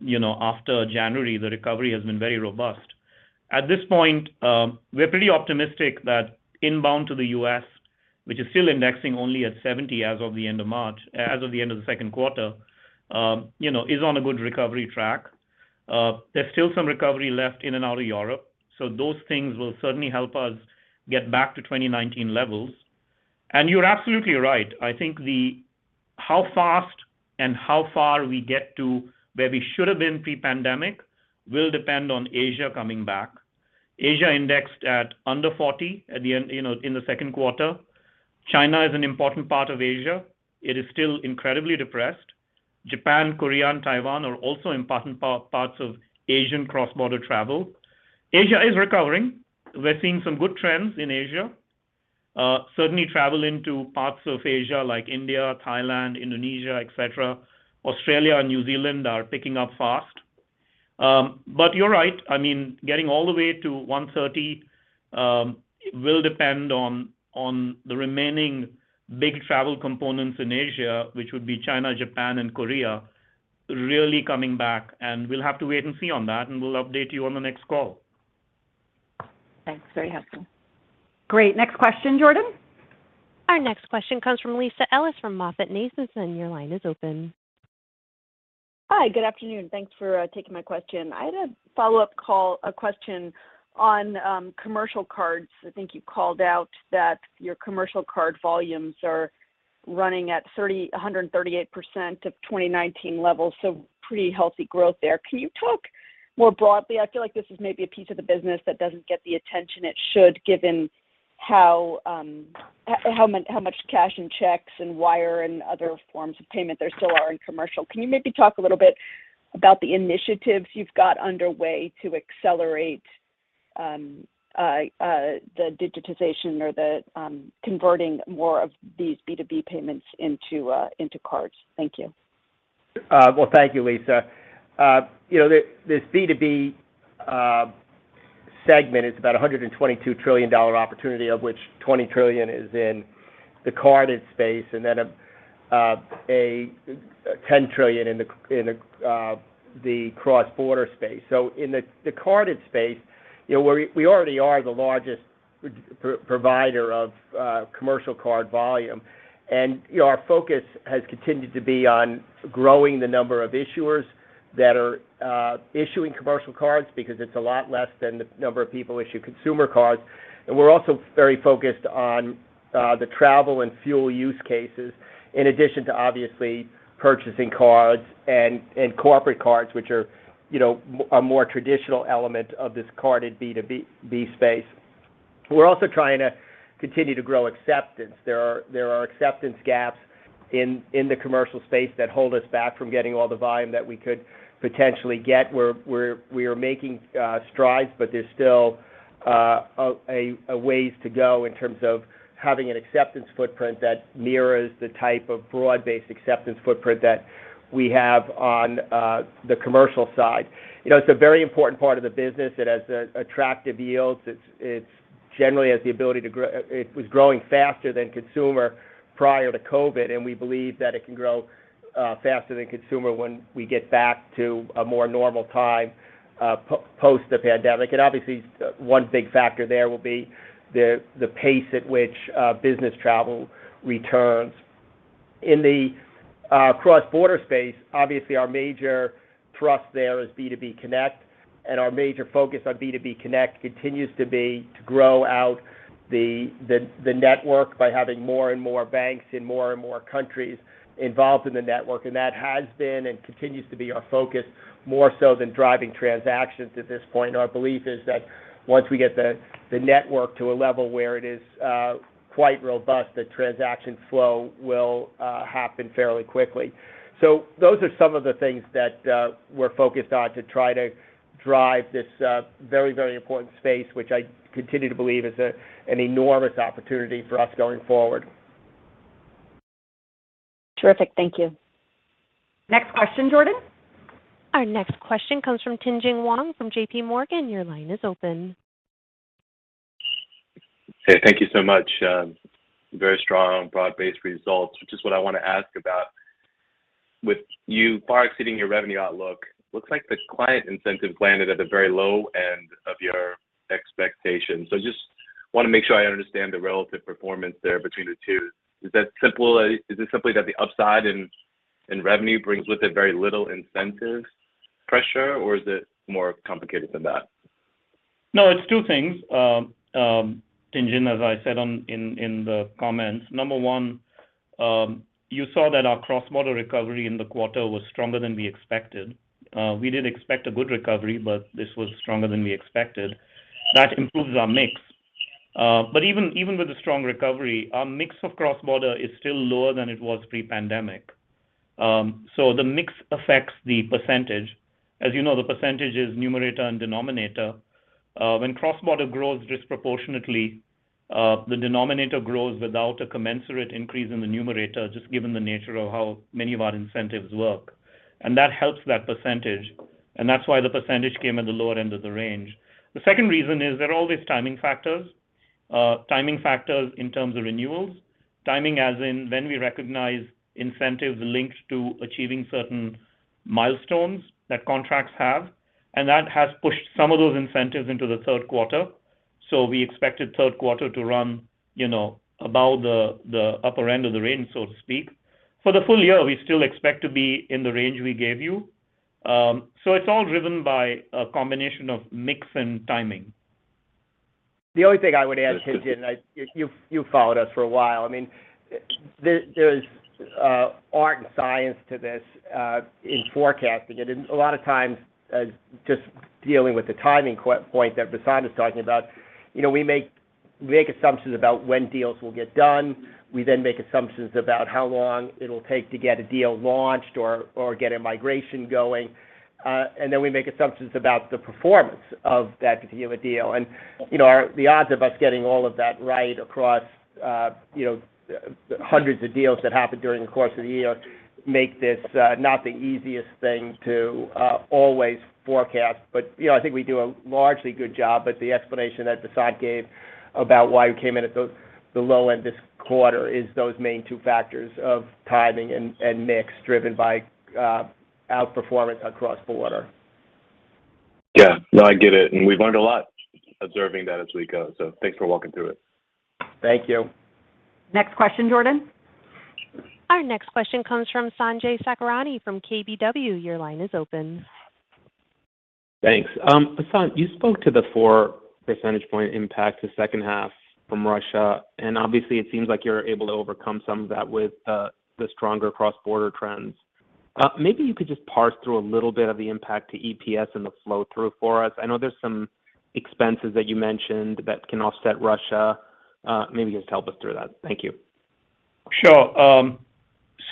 you know, after January, the recovery has been very robust. At this point, we're pretty optimistic that inbound to the U.S., which is still indexing only at 70 as of the end of March, as of the end of the second quarter, you know, is on a good recovery track. There's still some recovery left in and out of Europe. Those things will certainly help us get back to 2019 levels. You're absolutely right. I think the how fast and how far we get to where we should have been pre-pandemic will depend on Asia coming back. Asia indexed at under 40 at the end, you know, in the second quarter. China is an important part of Asia. It is still incredibly depressed. Japan, Korea, and Taiwan are also important parts of Asian cross-border travel. Asia is recovering. We're seeing some good trends in Asia. Certainly travel into parts of Asia like India, Thailand, Indonesia, et cetera. Australia and New Zealand are picking up fast. But you're right. I mean, getting all the way to 130 will depend on the remaining big travel components in Asia, which would be China, Japan, and Korea, really coming back. We'll have to wait and see on that, and we'll update you on the next call. Thanks. Very helpful. Great. Next question, Jordan. Our next question comes from Lisa Ellis from MoffettNathanson. Your line is open. Hi. Good afternoon. Thanks for taking my question. I had a follow-up question on commercial cards. I think you called out that your commercial card volumes are running at 138% of 2019 levels, so pretty healthy growth there. Can you talk more broadly? I feel like this is maybe a piece of the business that doesn't get the attention it should, given how much cash and checks and wire and other forms of payment there still are in commercial. Can you maybe talk a little bit about the initiatives you've got underway to accelerate the digitization or the converting more of these B2B payments into cards? Thank you. Well, thank you, Lisa. You know, this B2B segment is about a $122 trillion opportunity, of which $20 trillion is in the carded space and then a $10 trillion in the cross-border space. In the carded space, you know, we already are the largest provider of commercial card volume. You know, our focus has continued to be on growing the number of issuers that are issuing commercial cards because it's a lot less than the number of people issuing consumer cards. We're also very focused on the travel and fuel use cases in addition to obviously purchasing cards and corporate cards, which are, you know, a more traditional element of this carded B2B space. We're also trying to continue to grow acceptance. There are acceptance gaps in the commercial space that hold us back from getting all the volume that we could potentially get. We are making strides, but there's still a ways to go in terms of having an acceptance footprint that mirrors the type of broad-based acceptance footprint that we have on the commercial side. You know, it's a very important part of the business. It has attractive yields. It was growing faster than consumer prior to COVID, and we believe that it can grow faster than consumer when we get back to a more normal time post the pandemic. Obviously, one big factor there will be the pace at which business travel returns. In the cross-border space, obviously our major thrust there is B2B Connect, and our major focus on B2B Connect continues to be to grow out the network by having more and more banks in more and more countries involved in the network. That has been and continues to be our focus more so than driving transactions at this point. Our belief is that once we get the network to a level where it is quite robust, the transaction flow will happen fairly quickly. Those are some of the things that we're focused on to try to drive this very, very important space, which I continue to believe is an enormous opportunity for us going forward. Terrific. Thank you. Next question, Jordan. Our next question comes from Tien-Tsin Huang from JPMorgan. Your line is open. Hey, thank you so much. Very strong broad-based results, which is what I want to ask about. With you far exceeding your revenue outlook, looks like the client incentive plan is at the very low end of your expectations. Just want to make sure I understand the relative performance there between the two. Is that simple? Is it simply that the upside in revenue brings with it very little incentive pressure, or is it more complicated than that? No, it's two things. Tien-Tsin Huang, as I said in the comments. Number one, you saw that our cross-border recovery in the quarter was stronger than we expected. We did expect a good recovery, but this was stronger than we expected. That improves our mix. But even with the strong recovery, our mix of cross-border is still lower than it was pre-pandemic. So the mix affects the percentage. As you know, the percentage is numerator and denominator. When cross-border grows disproportionately, the denominator grows without a commensurate increase in the numerator, just given the nature of how many of our incentives work. And that helps that percentage, and that's why the percentage came at the lower end of the range. The second reason is there are all these timing factors. Timing factors in terms of renewals, timing as in when we recognize incentives linked to achieving certain milestones that contracts have, and that has pushed some of those incentives into the third quarter. We expected third quarter to run, you know, above the upper end of the range, so to speak. For the full year, we still expect to be in the range we gave you. It's all driven by a combination of mix and timing. The only thing I would add, Tien-Tsin Huang, you've followed us for a while. I mean, there's art and science to this in forecasting it. A lot of times, just dealing with the timing point that Vasant Prabhu is talking about, you know, we make assumptions about when deals will get done. We then make assumptions about how long it'll take to get a deal launched or get a migration going. We make assumptions about the performance of that particular deal. You know, the odds of us getting all of that right across, you know, hundreds of deals that happen during the course of the year make this not the easiest thing to always forecast. You know, I think we do a largely good job. The explanation that Vasant gave about why we came in at the low end this quarter is those main two factors of timing and mix driven by outperformance across the border. Yeah. No, I get it. We've learned a lot observing that as we go, so thanks for walking through it. Thank you. Next question, Jordan. Our next question comes from Sanjay Sakhrani from KBW. Your line is open. Thanks. Vasant Prabhu, you spoke to the 4 percentage point impact to second half from Russia, and obviously it seems like you're able to overcome some of that with the stronger cross-border trends. Maybe you could just parse through a little bit of the impact to EPS and the flow-through for us. I know there's some expenses that you mentioned that can offset Russia. Maybe just help us through that. Thank you. Sure.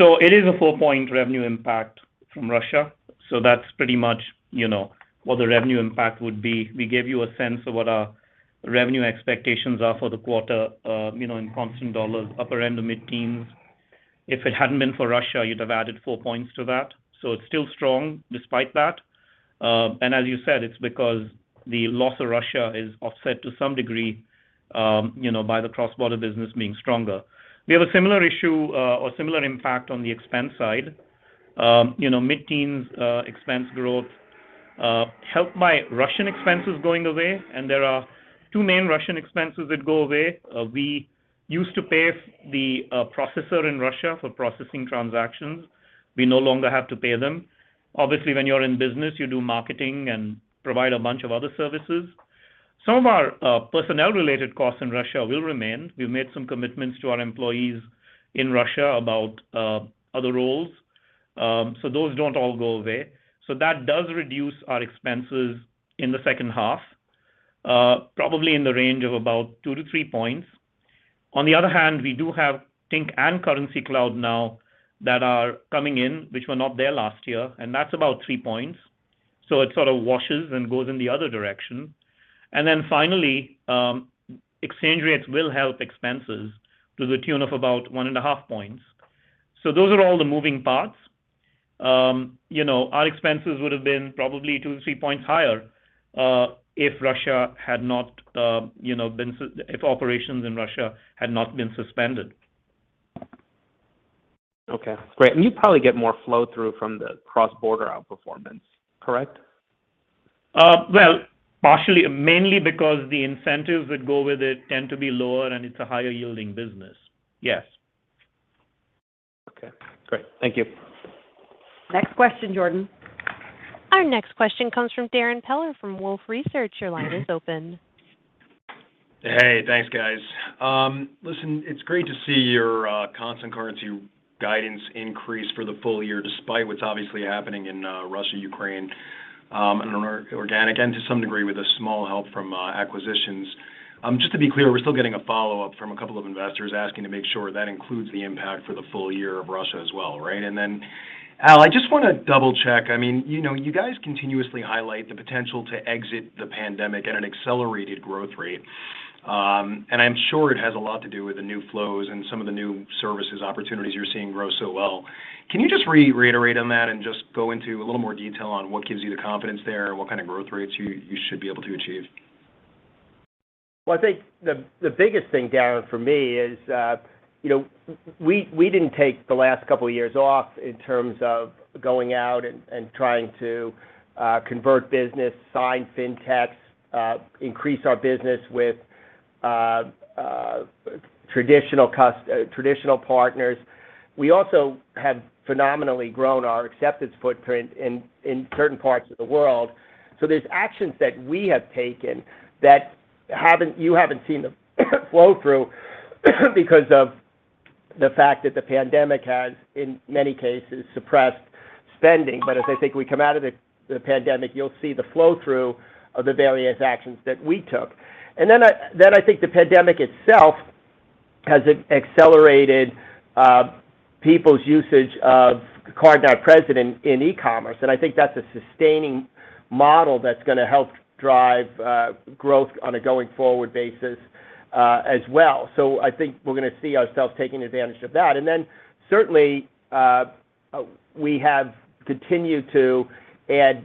It is a 4-point revenue impact from Russia. That's pretty much, you know, what the revenue impact would be. We gave you a sense of what our revenue expectations are for the quarter, you know, in constant dollars, upper end of mid-teens%. If it hadn't been for Russia, you'd have added 4 points to that. It's still strong despite that. As you said, it's because the loss of Russia is offset to some degree, you know, by the cross-border business being stronger. We have a similar issue or similar impact on the expense side. You know, mid-teens% expense growth, helped by Russian expenses going away. There are two main Russian expenses that go away. We used to pay the processor in Russia for processing transactions. We no longer have to pay them. Obviously, when you're in business, you do marketing and provide a bunch of other services. Some of our personnel-related costs in Russia will remain. We've made some commitments to our employees in Russia about other roles. Those don't all go away. That does reduce our expenses in the second half, probably in the range of about 2-3 points. On the other hand, we do have Tink and Currencycloud now that are coming in, which were not there last year, and that's about 3 points. It sort of washes and goes in the other direction. Then finally, Xendit will help expenses to the tune of about 1.5 points. Those are all the moving parts. You know, our expenses would have been probably 2%-3% higher if operations in Russia had not been suspended. Okay, great. You probably get more flow-through from the cross-border outperformance, correct? Well, partially, mainly because the incentives that go with it tend to be lower, and it's a higher-yielding business. Yes. Okay, great. Thank you. Next question, Jordan. Our next question comes from Darrin Peller from Wolfe Research. Your line is open. Hey, thanks, guys. Listen, it's great to see your constant currency guidance increase for the full year despite what's obviously happening in Russia, Ukraine, on an organic and to some degree with a small help from acquisitions. Just to be clear, we're still getting a follow-up from a couple of investors asking to make sure that includes the impact for the full year of Russia as well, right? Al, I just wanna double-check. I mean, you know, you guys continuously highlight the potential to exit the pandemic at an accelerated growth rate. I'm sure it has a lot to do with the new flows and some of the new services opportunities you're seeing grow so well. Can you just reiterate on that and just go into a little more detail on what gives you the confidence there and what kind of growth rates you should be able to achieve? I think the biggest thing, Darrin, for me is, you know, we didn't take the last couple years off in terms of going out and trying to convert business, sign fintechs, increase our business with traditional partners. We also have phenomenally grown our acceptance footprint in certain parts of the world. There's actions that we have taken that you haven't seen the flow through because of the fact that the pandemic has, in many cases, suppressed spending. As I think we come out of the pandemic, you'll see the flow-through of the various actions that we took. I think the pandemic itself has accelerated people's usage of card-not-present in e-commerce, and I think that's a sustaining model that's gonna help drive growth on a going-forward basis as well. I think we're gonna see ourselves taking advantage of that. Certainly, we have continued to add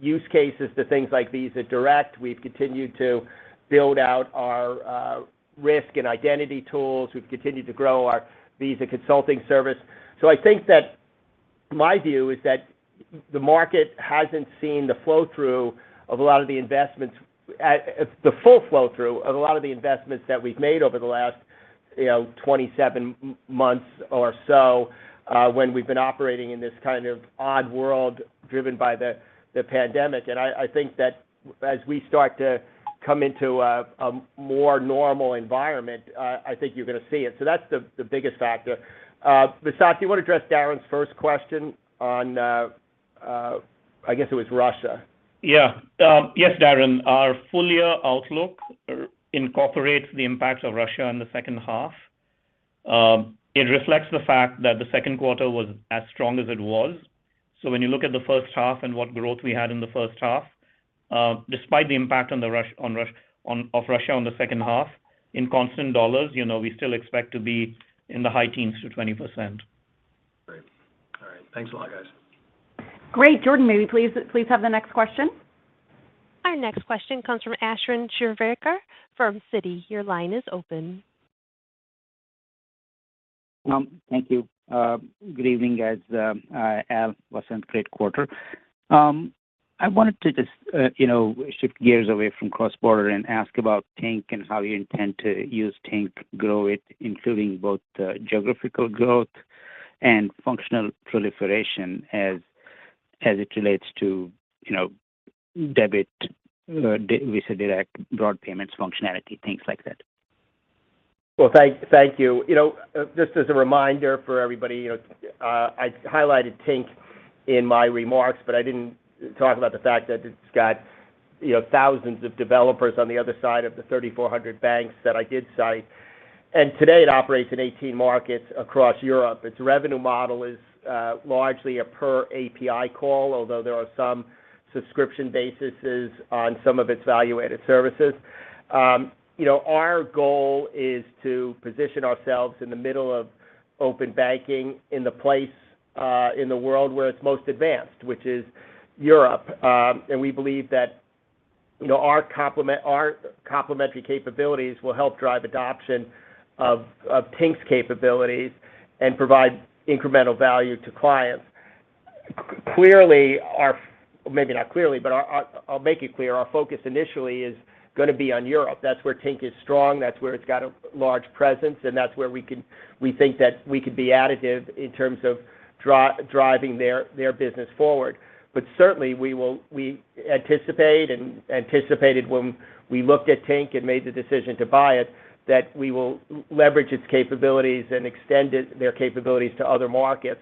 use cases to things like Visa Direct. We've continued to build out our risk and identity tools. We've continued to grow our Visa consulting service. I think that my view is that the market hasn't seen the flow-through of a lot of the investments at the full flow-through of a lot of the investments that we've made over the last, you know, 27 months or so, when we've been operating in this kind of odd world driven by the pandemic. I think that as we start to come into a more normal environment, I think you're gonna see it, so that's the biggest factor. Vasant, do you wanna address Darrin's first question on, I guess it was Russia? Yeah. Yes, Darrin. Our full-year outlook incorporates the impacts of Russia in the second half. It reflects the fact that the second quarter was as strong as it was. When you look at the first half and what growth we had in the first half, despite the impact of Russia on the second half, in constant dollars, you know, we still expect to be in the high teens to 20%. Great. All right. Thanks a lot, guys. Great. Jordan, may we please have the next question? Our next question comes from Ashwin Shirvaikar from Citi. Your line is open. Thank you. Good evening, guys. Al, Vasant, great quarter. I wanted to just, you know, shift gears away from cross-border and ask about Tink and how you intend to use Tink, grow it, including both geographical growth and functional proliferation as it relates to, you know, debit, Visa Direct, broad payments functionality, things like that. Well, thank you. You know, just as a reminder for everybody, you know, I highlighted Tink in my remarks, but I didn't talk about the fact that it's got, you know, thousands of developers on the other side of the 3,400 banks that I did cite. Today it operates in 18 markets across Europe. Its revenue model is largely a per API call, although there are some subscription bases on some of its value-added services. You know, our goal is to position ourselves in the middle of open banking in the place in the world where it's most advanced, which is Europe. We believe that, you know, our complementary capabilities will help drive adoption of Tink's capabilities and provide incremental value to clients. Clearly, our maybe not clearly, but our. I'll make it clear, our focus initially is gonna be on Europe. That's where Tink is strong, that's where it's got a large presence, and that's where we think that we could be additive in terms of driving their business forward. Certainly we will anticipate and anticipated when we looked at Tink and made the decision to buy it, that we will leverage its capabilities and extend their capabilities to other markets.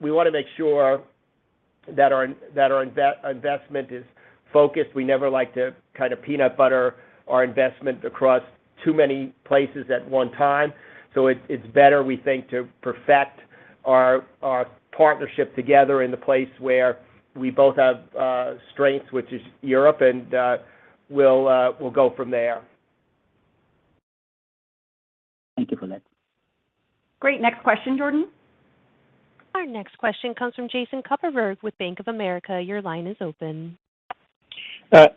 We wanna make sure that our investment is focused. We never like to kind of peanut butter our investment across too many places at one time, so it's better, we think, to perfect our partnership together in the place where we both have strengths, which is Europe, and we'll go from there. Thank you for that. Great. Next question, Jordan. Our next question comes from Jason Kupferberg with Bank of America. Your line is open.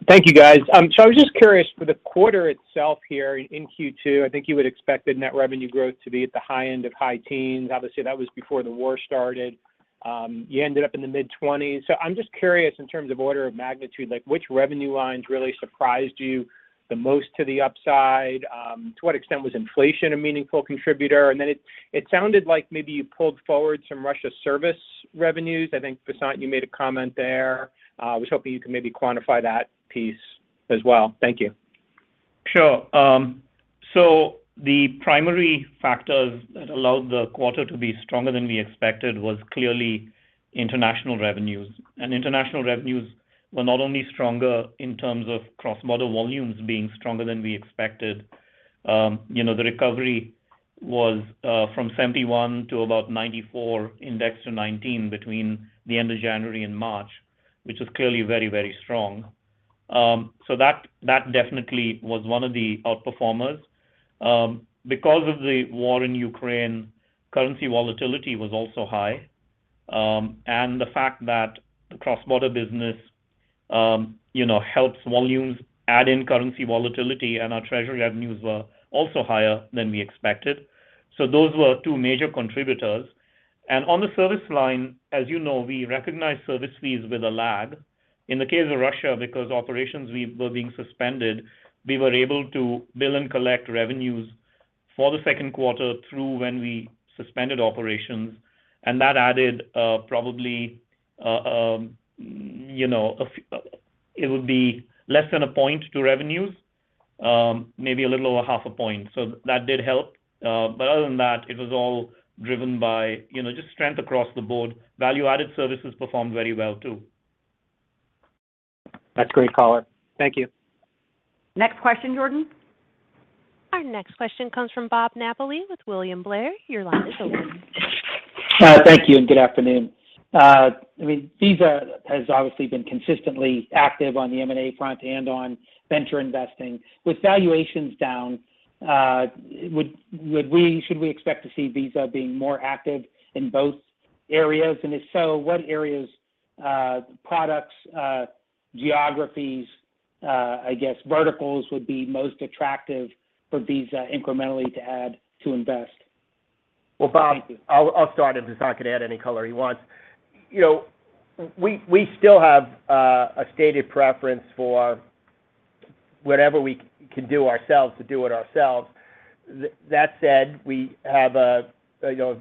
Thank you guys. I was just curious for the quarter itself here in Q2. I think you would expect the net revenue growth to be at the high end of high teens. Obviously, that was before the war started. You ended up in the mid-twenties. I'm just curious in terms of order of magnitude, like which revenue lines really surprised you the most to the upside? To what extent was inflation a meaningful contributor? It sounded like maybe you pulled forward some Russia service revenues. I think, Vasant, you made a comment there. I was hoping you could maybe quantify that piece as well. Thank you. Sure. The primary factors that allowed the quarter to be stronger than we expected was clearly international revenues. International revenues were not only stronger in terms of cross-border volumes being stronger than we expected, you know, the recovery was from 71 to about 94 index to 2019 between the end of January and March, which is clearly very, very strong. That definitely was one of the outperformers. Because of the war in Ukraine, currency volatility was also high. The fact that the cross-border business, you know, helps volumes add in currency volatility, and our treasury revenues were also higher than we expected. Those were two major contributors. On the service line, as you know, we recognize service fees with a lag. In the case of Russia, because operations were being suspended, we were able to bill and collect revenues for the second quarter through when we suspended operations. That added probably it would be less than a point to revenues, maybe a little over half a point. That did help. But other than that, it was all driven by just strength across the board. value-added services performed very well too. That's great color. Thank you. Next question, Jordan. Our next question comes from Bob Napoli with William Blair. Your line is open. Thank you, and good afternoon. I mean, Visa has obviously been consistently active on the M&A front and on venture investing. With valuations down, would we expect to see Visa being more active in both areas? If so, what areas, products, geographies, I guess verticals would be most attractive for Visa incrementally to add to invest? Well, Bob, I'll start, and Vasant can add any color he wants. You know, we still have a stated preference for whatever we can do ourselves to do it ourselves. That said, we have, you know,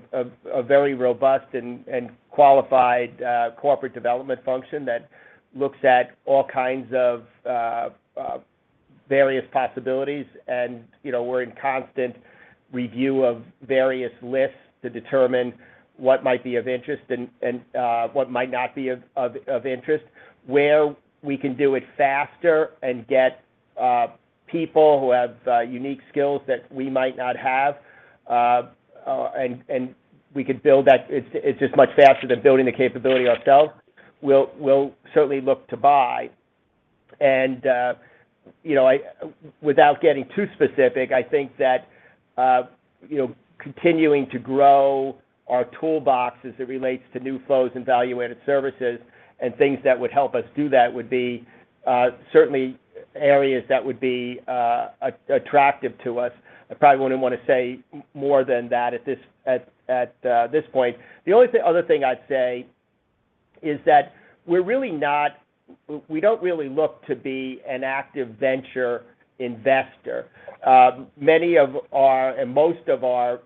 a very robust and qualified corporate development function that looks at all kinds of various possibilities. You know, we're in constant review of various lists to determine what might be of interest and what might not be of interest. Where we can do it faster and get people who have unique skills that we might not have and we could build that, it's just much faster than building the capability ourselves. We'll certainly look to buy. You know, I. Without getting too specific, I think that, you know, continuing to grow our toolbox as it relates to new flows and value-added services and things that would help us do that would be certainly areas that would be attractive to us. I probably wouldn't want to say more than that at this point. The only other thing I'd say is that we don't really look to be an active venture investor. Many of our and most of our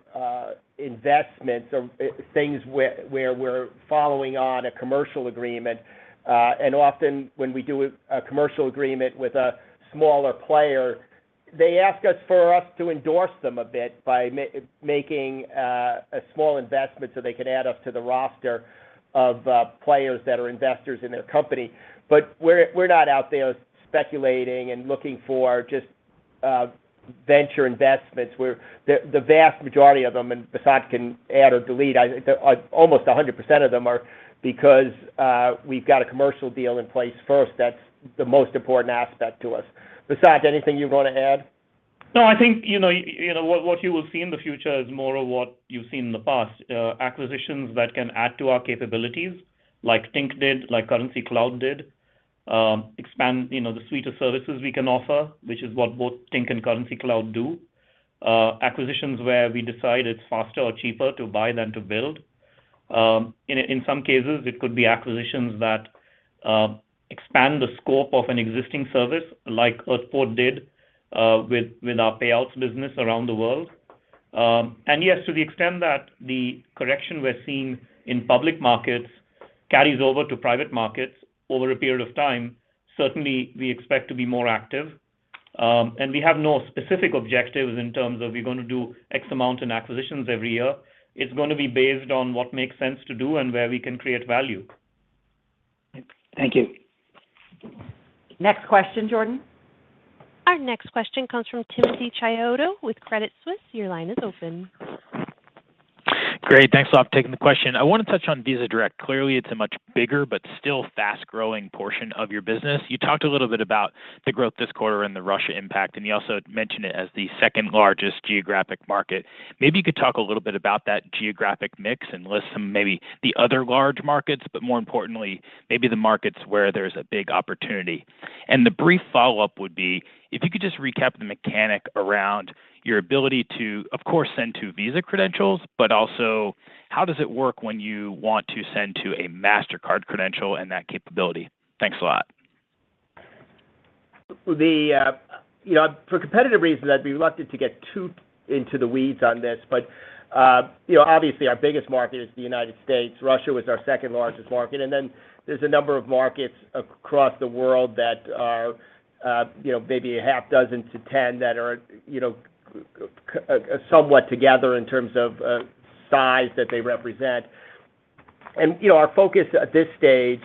investments are things where we're following on a commercial agreement. Often when we do a commercial agreement with a smaller player, they ask us to endorse them a bit by making a small investment, so they can add us to the roster of players that are investors in their company. We're not out there speculating and looking for just venture investments, where the vast majority of them, and Vasant can add or delete. Almost 100% of them are because we've got a commercial deal in place first. That's the most important aspect to us. Vasant, anything you want to add? No, I think you know what you will see in the future is more of what you've seen in the past, acquisitions that can add to our capabilities, like Tink did, like Currencycloud did, expand you know the suite of services we can offer, which is what both Tink and Currencycloud do. Acquisitions where we decide it's faster or cheaper to buy than to build. In some cases, it could be acquisitions that expand the scope of an existing service, like Earthport did, with our payouts business around the world. Yes, to the extent that the correction we're seeing in public markets carries over to private markets over a period of time, certainly we expect to be more active. We have no specific objectives in terms of we're gonna do X amount in acquisitions every year. It's gonna be based on what makes sense to do and where we can create value. Thank you. Next question, Jordan. Our next question comes from Timothy Chiodo with Credit Suisse. Your line is open. Great. Thanks a lot for taking the question. I wanna touch on Visa Direct. Clearly, it's a much bigger but still fast-growing portion of your business. You talked a little bit about the growth this quarter and the Russia impact, and you also mentioned it as the second-largest geographic market. Maybe you could talk a little bit about that geographic mix and list some maybe the other large markets, but more importantly, maybe the markets where there's a big opportunity. The brief follow-up would be if you could just recap the mechanics around your ability to, of course, send to Visa credentials, but also how does it work when you want to send to a Mastercard credential and that capability? Thanks a lot. You know, for competitive reasons, I'd be reluctant to get too into the weeds on this. You know, obviously, our biggest market is the United States. Russia was our second-largest market. Then there's a number of markets across the world that are, you know, maybe 6-10 that are, you know, somewhat together in terms of, size that they represent. You know, our focus at this stage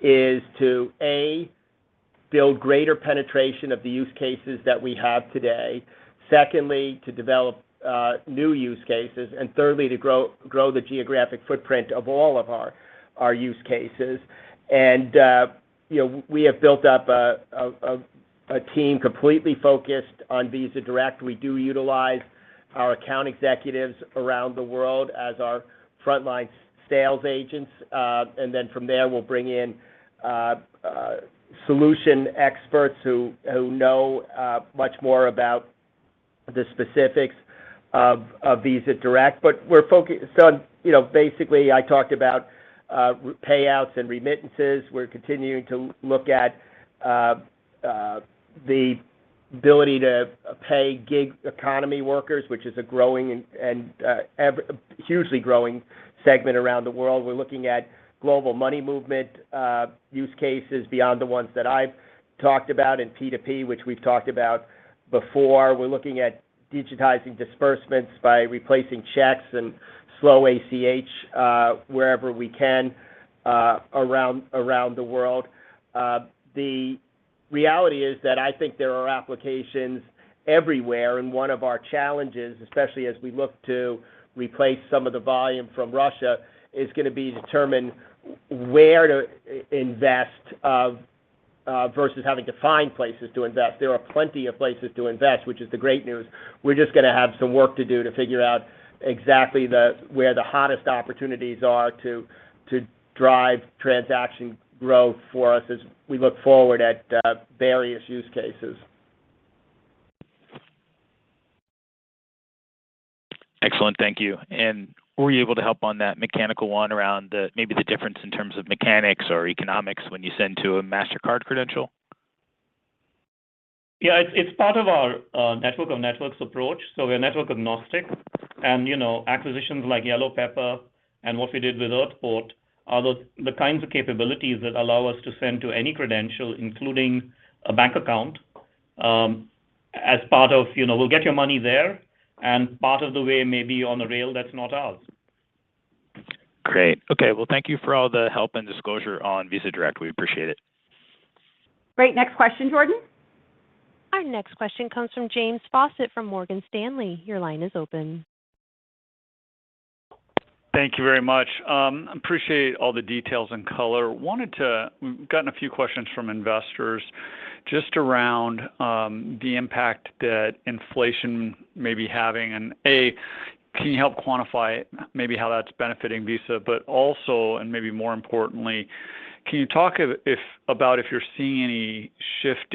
is to, A, build greater penetration of the use cases that we have today, secondly, to develop, new use cases, and thirdly, to grow the geographic footprint of all of our use cases. You know, we have built up a team completely focused on Visa Direct. We do utilize our account executives around the world as our frontline sales agents. From there, we'll bring in solution experts who know much more about the specifics of Visa Direct. You know, basically, I talked about payouts and remittances. We're continuing to look at the ability to pay gig economy workers, which is a growing and ever hugely growing segment around the world. We're looking at global money movement use cases beyond the ones that I've talked about in P2P, which we've talked about before. We're looking at digitizing disbursements by replacing checks and slow ACH wherever we can around the world. The reality is that I think there are applications everywhere, and one of our challenges, especially as we look to replace some of the volume from Russia, is gonna be to determine where to invest versus having to find places to invest. There are plenty of places to invest, which is the great news. We're just gonna have some work to do to figure out exactly where the hottest opportunities are to drive transaction growth for us as we look forward to various use cases. Excellent. Thank you. Were you able to help on that mechanical one around the, maybe the difference in terms of mechanics or economics when you send to a Mastercard credential? It's part of our network of networks approach, so we're network agnostic. You know, acquisitions like YellowPepper and what we did with Earthport are the kinds of capabilities that allow us to send to any credential, including a bank account, as part of, you know, we'll get your money there and part of the way maybe on a rail that's not ours. Great. Okay. Well, thank you for all the help and disclosure on Visa Direct. We appreciate it. Great. Next question, Jordan. Our next question comes from James Faucette from Morgan Stanley. Your line is open. Thank you very much. Appreciate all the details and color. We've gotten a few questions from investors just around the impact that inflation may be having. A, can you help quantify maybe how that's benefiting Visa? But also, maybe more importantly, can you talk about if you're seeing any shift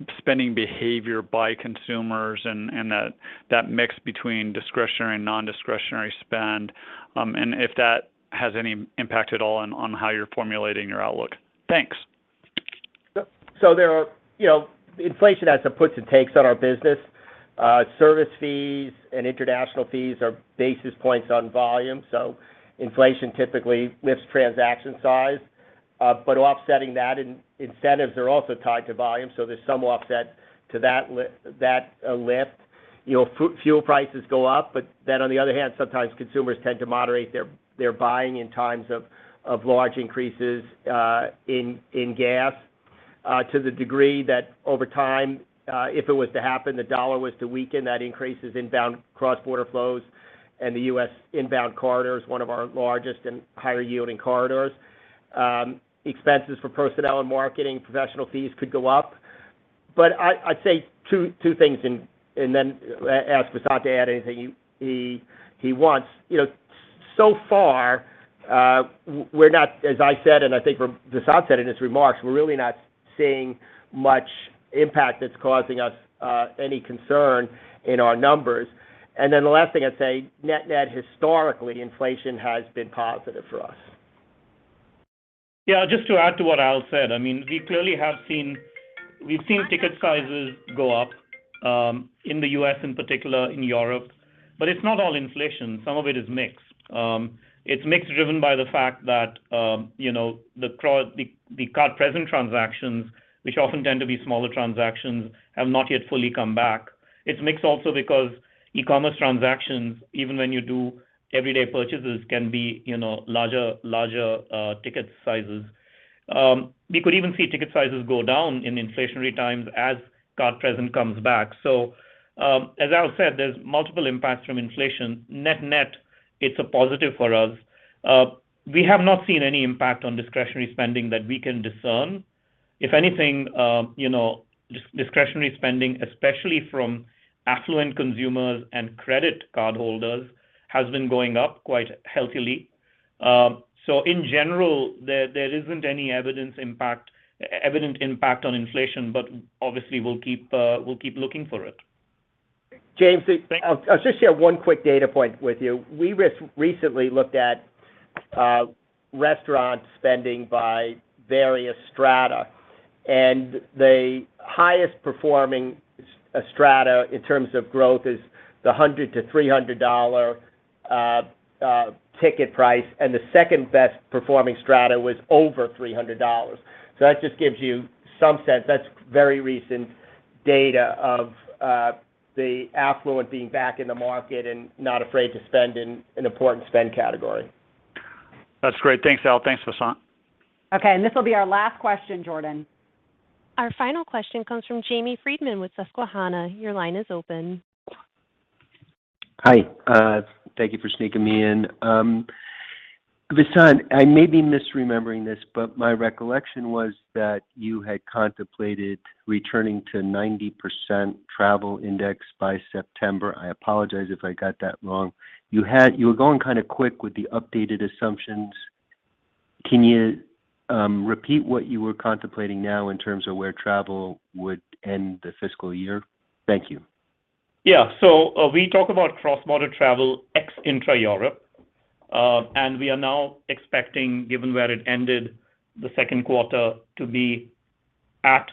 in spending behavior by consumers and that mix between discretionary and non-discretionary spend, and if that has any impact at all on how you're formulating your outlook? Thanks. You know, inflation has some puts and takes on our business. Service fees and international fees are basis points on volume, so inflation typically lifts transaction size. Offsetting that, incentives are also tied to volume, so there's some offset to that lift. You know, fuel prices go up, but then on the other hand, sometimes consumers tend to moderate their buying in times of large increases in gas to the degree that over time, if it was to happen, the dollar was to weaken, that increases inbound cross-border flows, and the U.S. inbound corridor is one of our largest and higher-yielding corridors. Expenses for personnel and marketing, professional fees could go up. I'd say two things and then ask Vasant to add anything he wants. You know, so far, we're not, as I said and I think from what Vasant said in his remarks, we're really not seeing much impact that's causing us any concern in our numbers. The last thing I'd say, net-net historically, inflation has been positive for us. Yeah, just to add to what Al said, I mean, we clearly have seen ticket sizes go up in the U.S. in particular, in Europe, but it's not all inflation. Some of it is mixed. It's mixed driven by the fact that, you know, the card-present transactions, which often tend to be smaller transactions, have not yet fully come back. It's mixed also because e-commerce transactions, even when you do everyday purchases, can be, you know, larger ticket sizes. We could even see ticket sizes go down in inflationary times as card-present comes back. As Al said, there's multiple impacts from inflation. Net-net, it's a positive for us. We have not seen any impact on discretionary spending that we can discern. If anything, you know, discretionary spending, especially from affluent consumers and credit card holders, has been going up quite healthily. In general, there isn't any evident impact on inflation, but obviously we'll keep looking for it. James, I'll just share one quick data point with you. We recently looked at restaurant spending by various strata, and the highest performing strata in terms of growth is the $100-$300 ticket price, and the second best performing strata was over $300. That just gives you some sense. That's very recent data of the affluent being back in the market and not afraid to spend in an important spend category. That's great. Thanks, Al. Thanks, Vasant. Okay, and this will be our last question, Jordan. Our final question comes from Jamie Friedman with Susquehanna. Your line is open. Hi, thank you for sneaking me in. Vasant, I may be misremembering this, but my recollection was that you had contemplated returning to 90% travel index by September. I apologize if I got that wrong. You were going kind of quick with the updated assumptions. Can you repeat what you were contemplating now in terms of where travel would end the fiscal year? Thank you. Yeah. We talk about cross-border travel ex intra-Europe, and we are now expecting, given where it ended the second quarter, to be at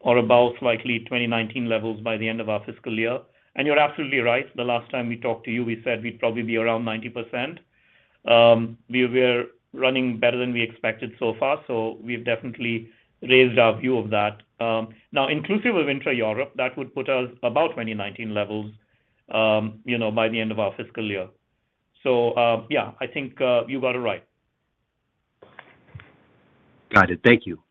or above likely 2019 levels by the end of our fiscal year. You're absolutely right. The last time we talked to you, we said we'd probably be around 90%. We were running better than we expected so far, so we've definitely raised our view of that. Now inclusive of intra-Europe, that would put us about 2019 levels, you know, by the end of our fiscal year. Yeah, I think you got it right. Got it. Thank you.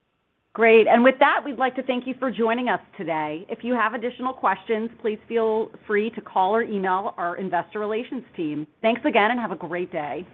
Great. With that, we'd like to thank you for joining us today. If you have additional questions, please feel free to call or email our investor relations team. Thanks again, and have a great day.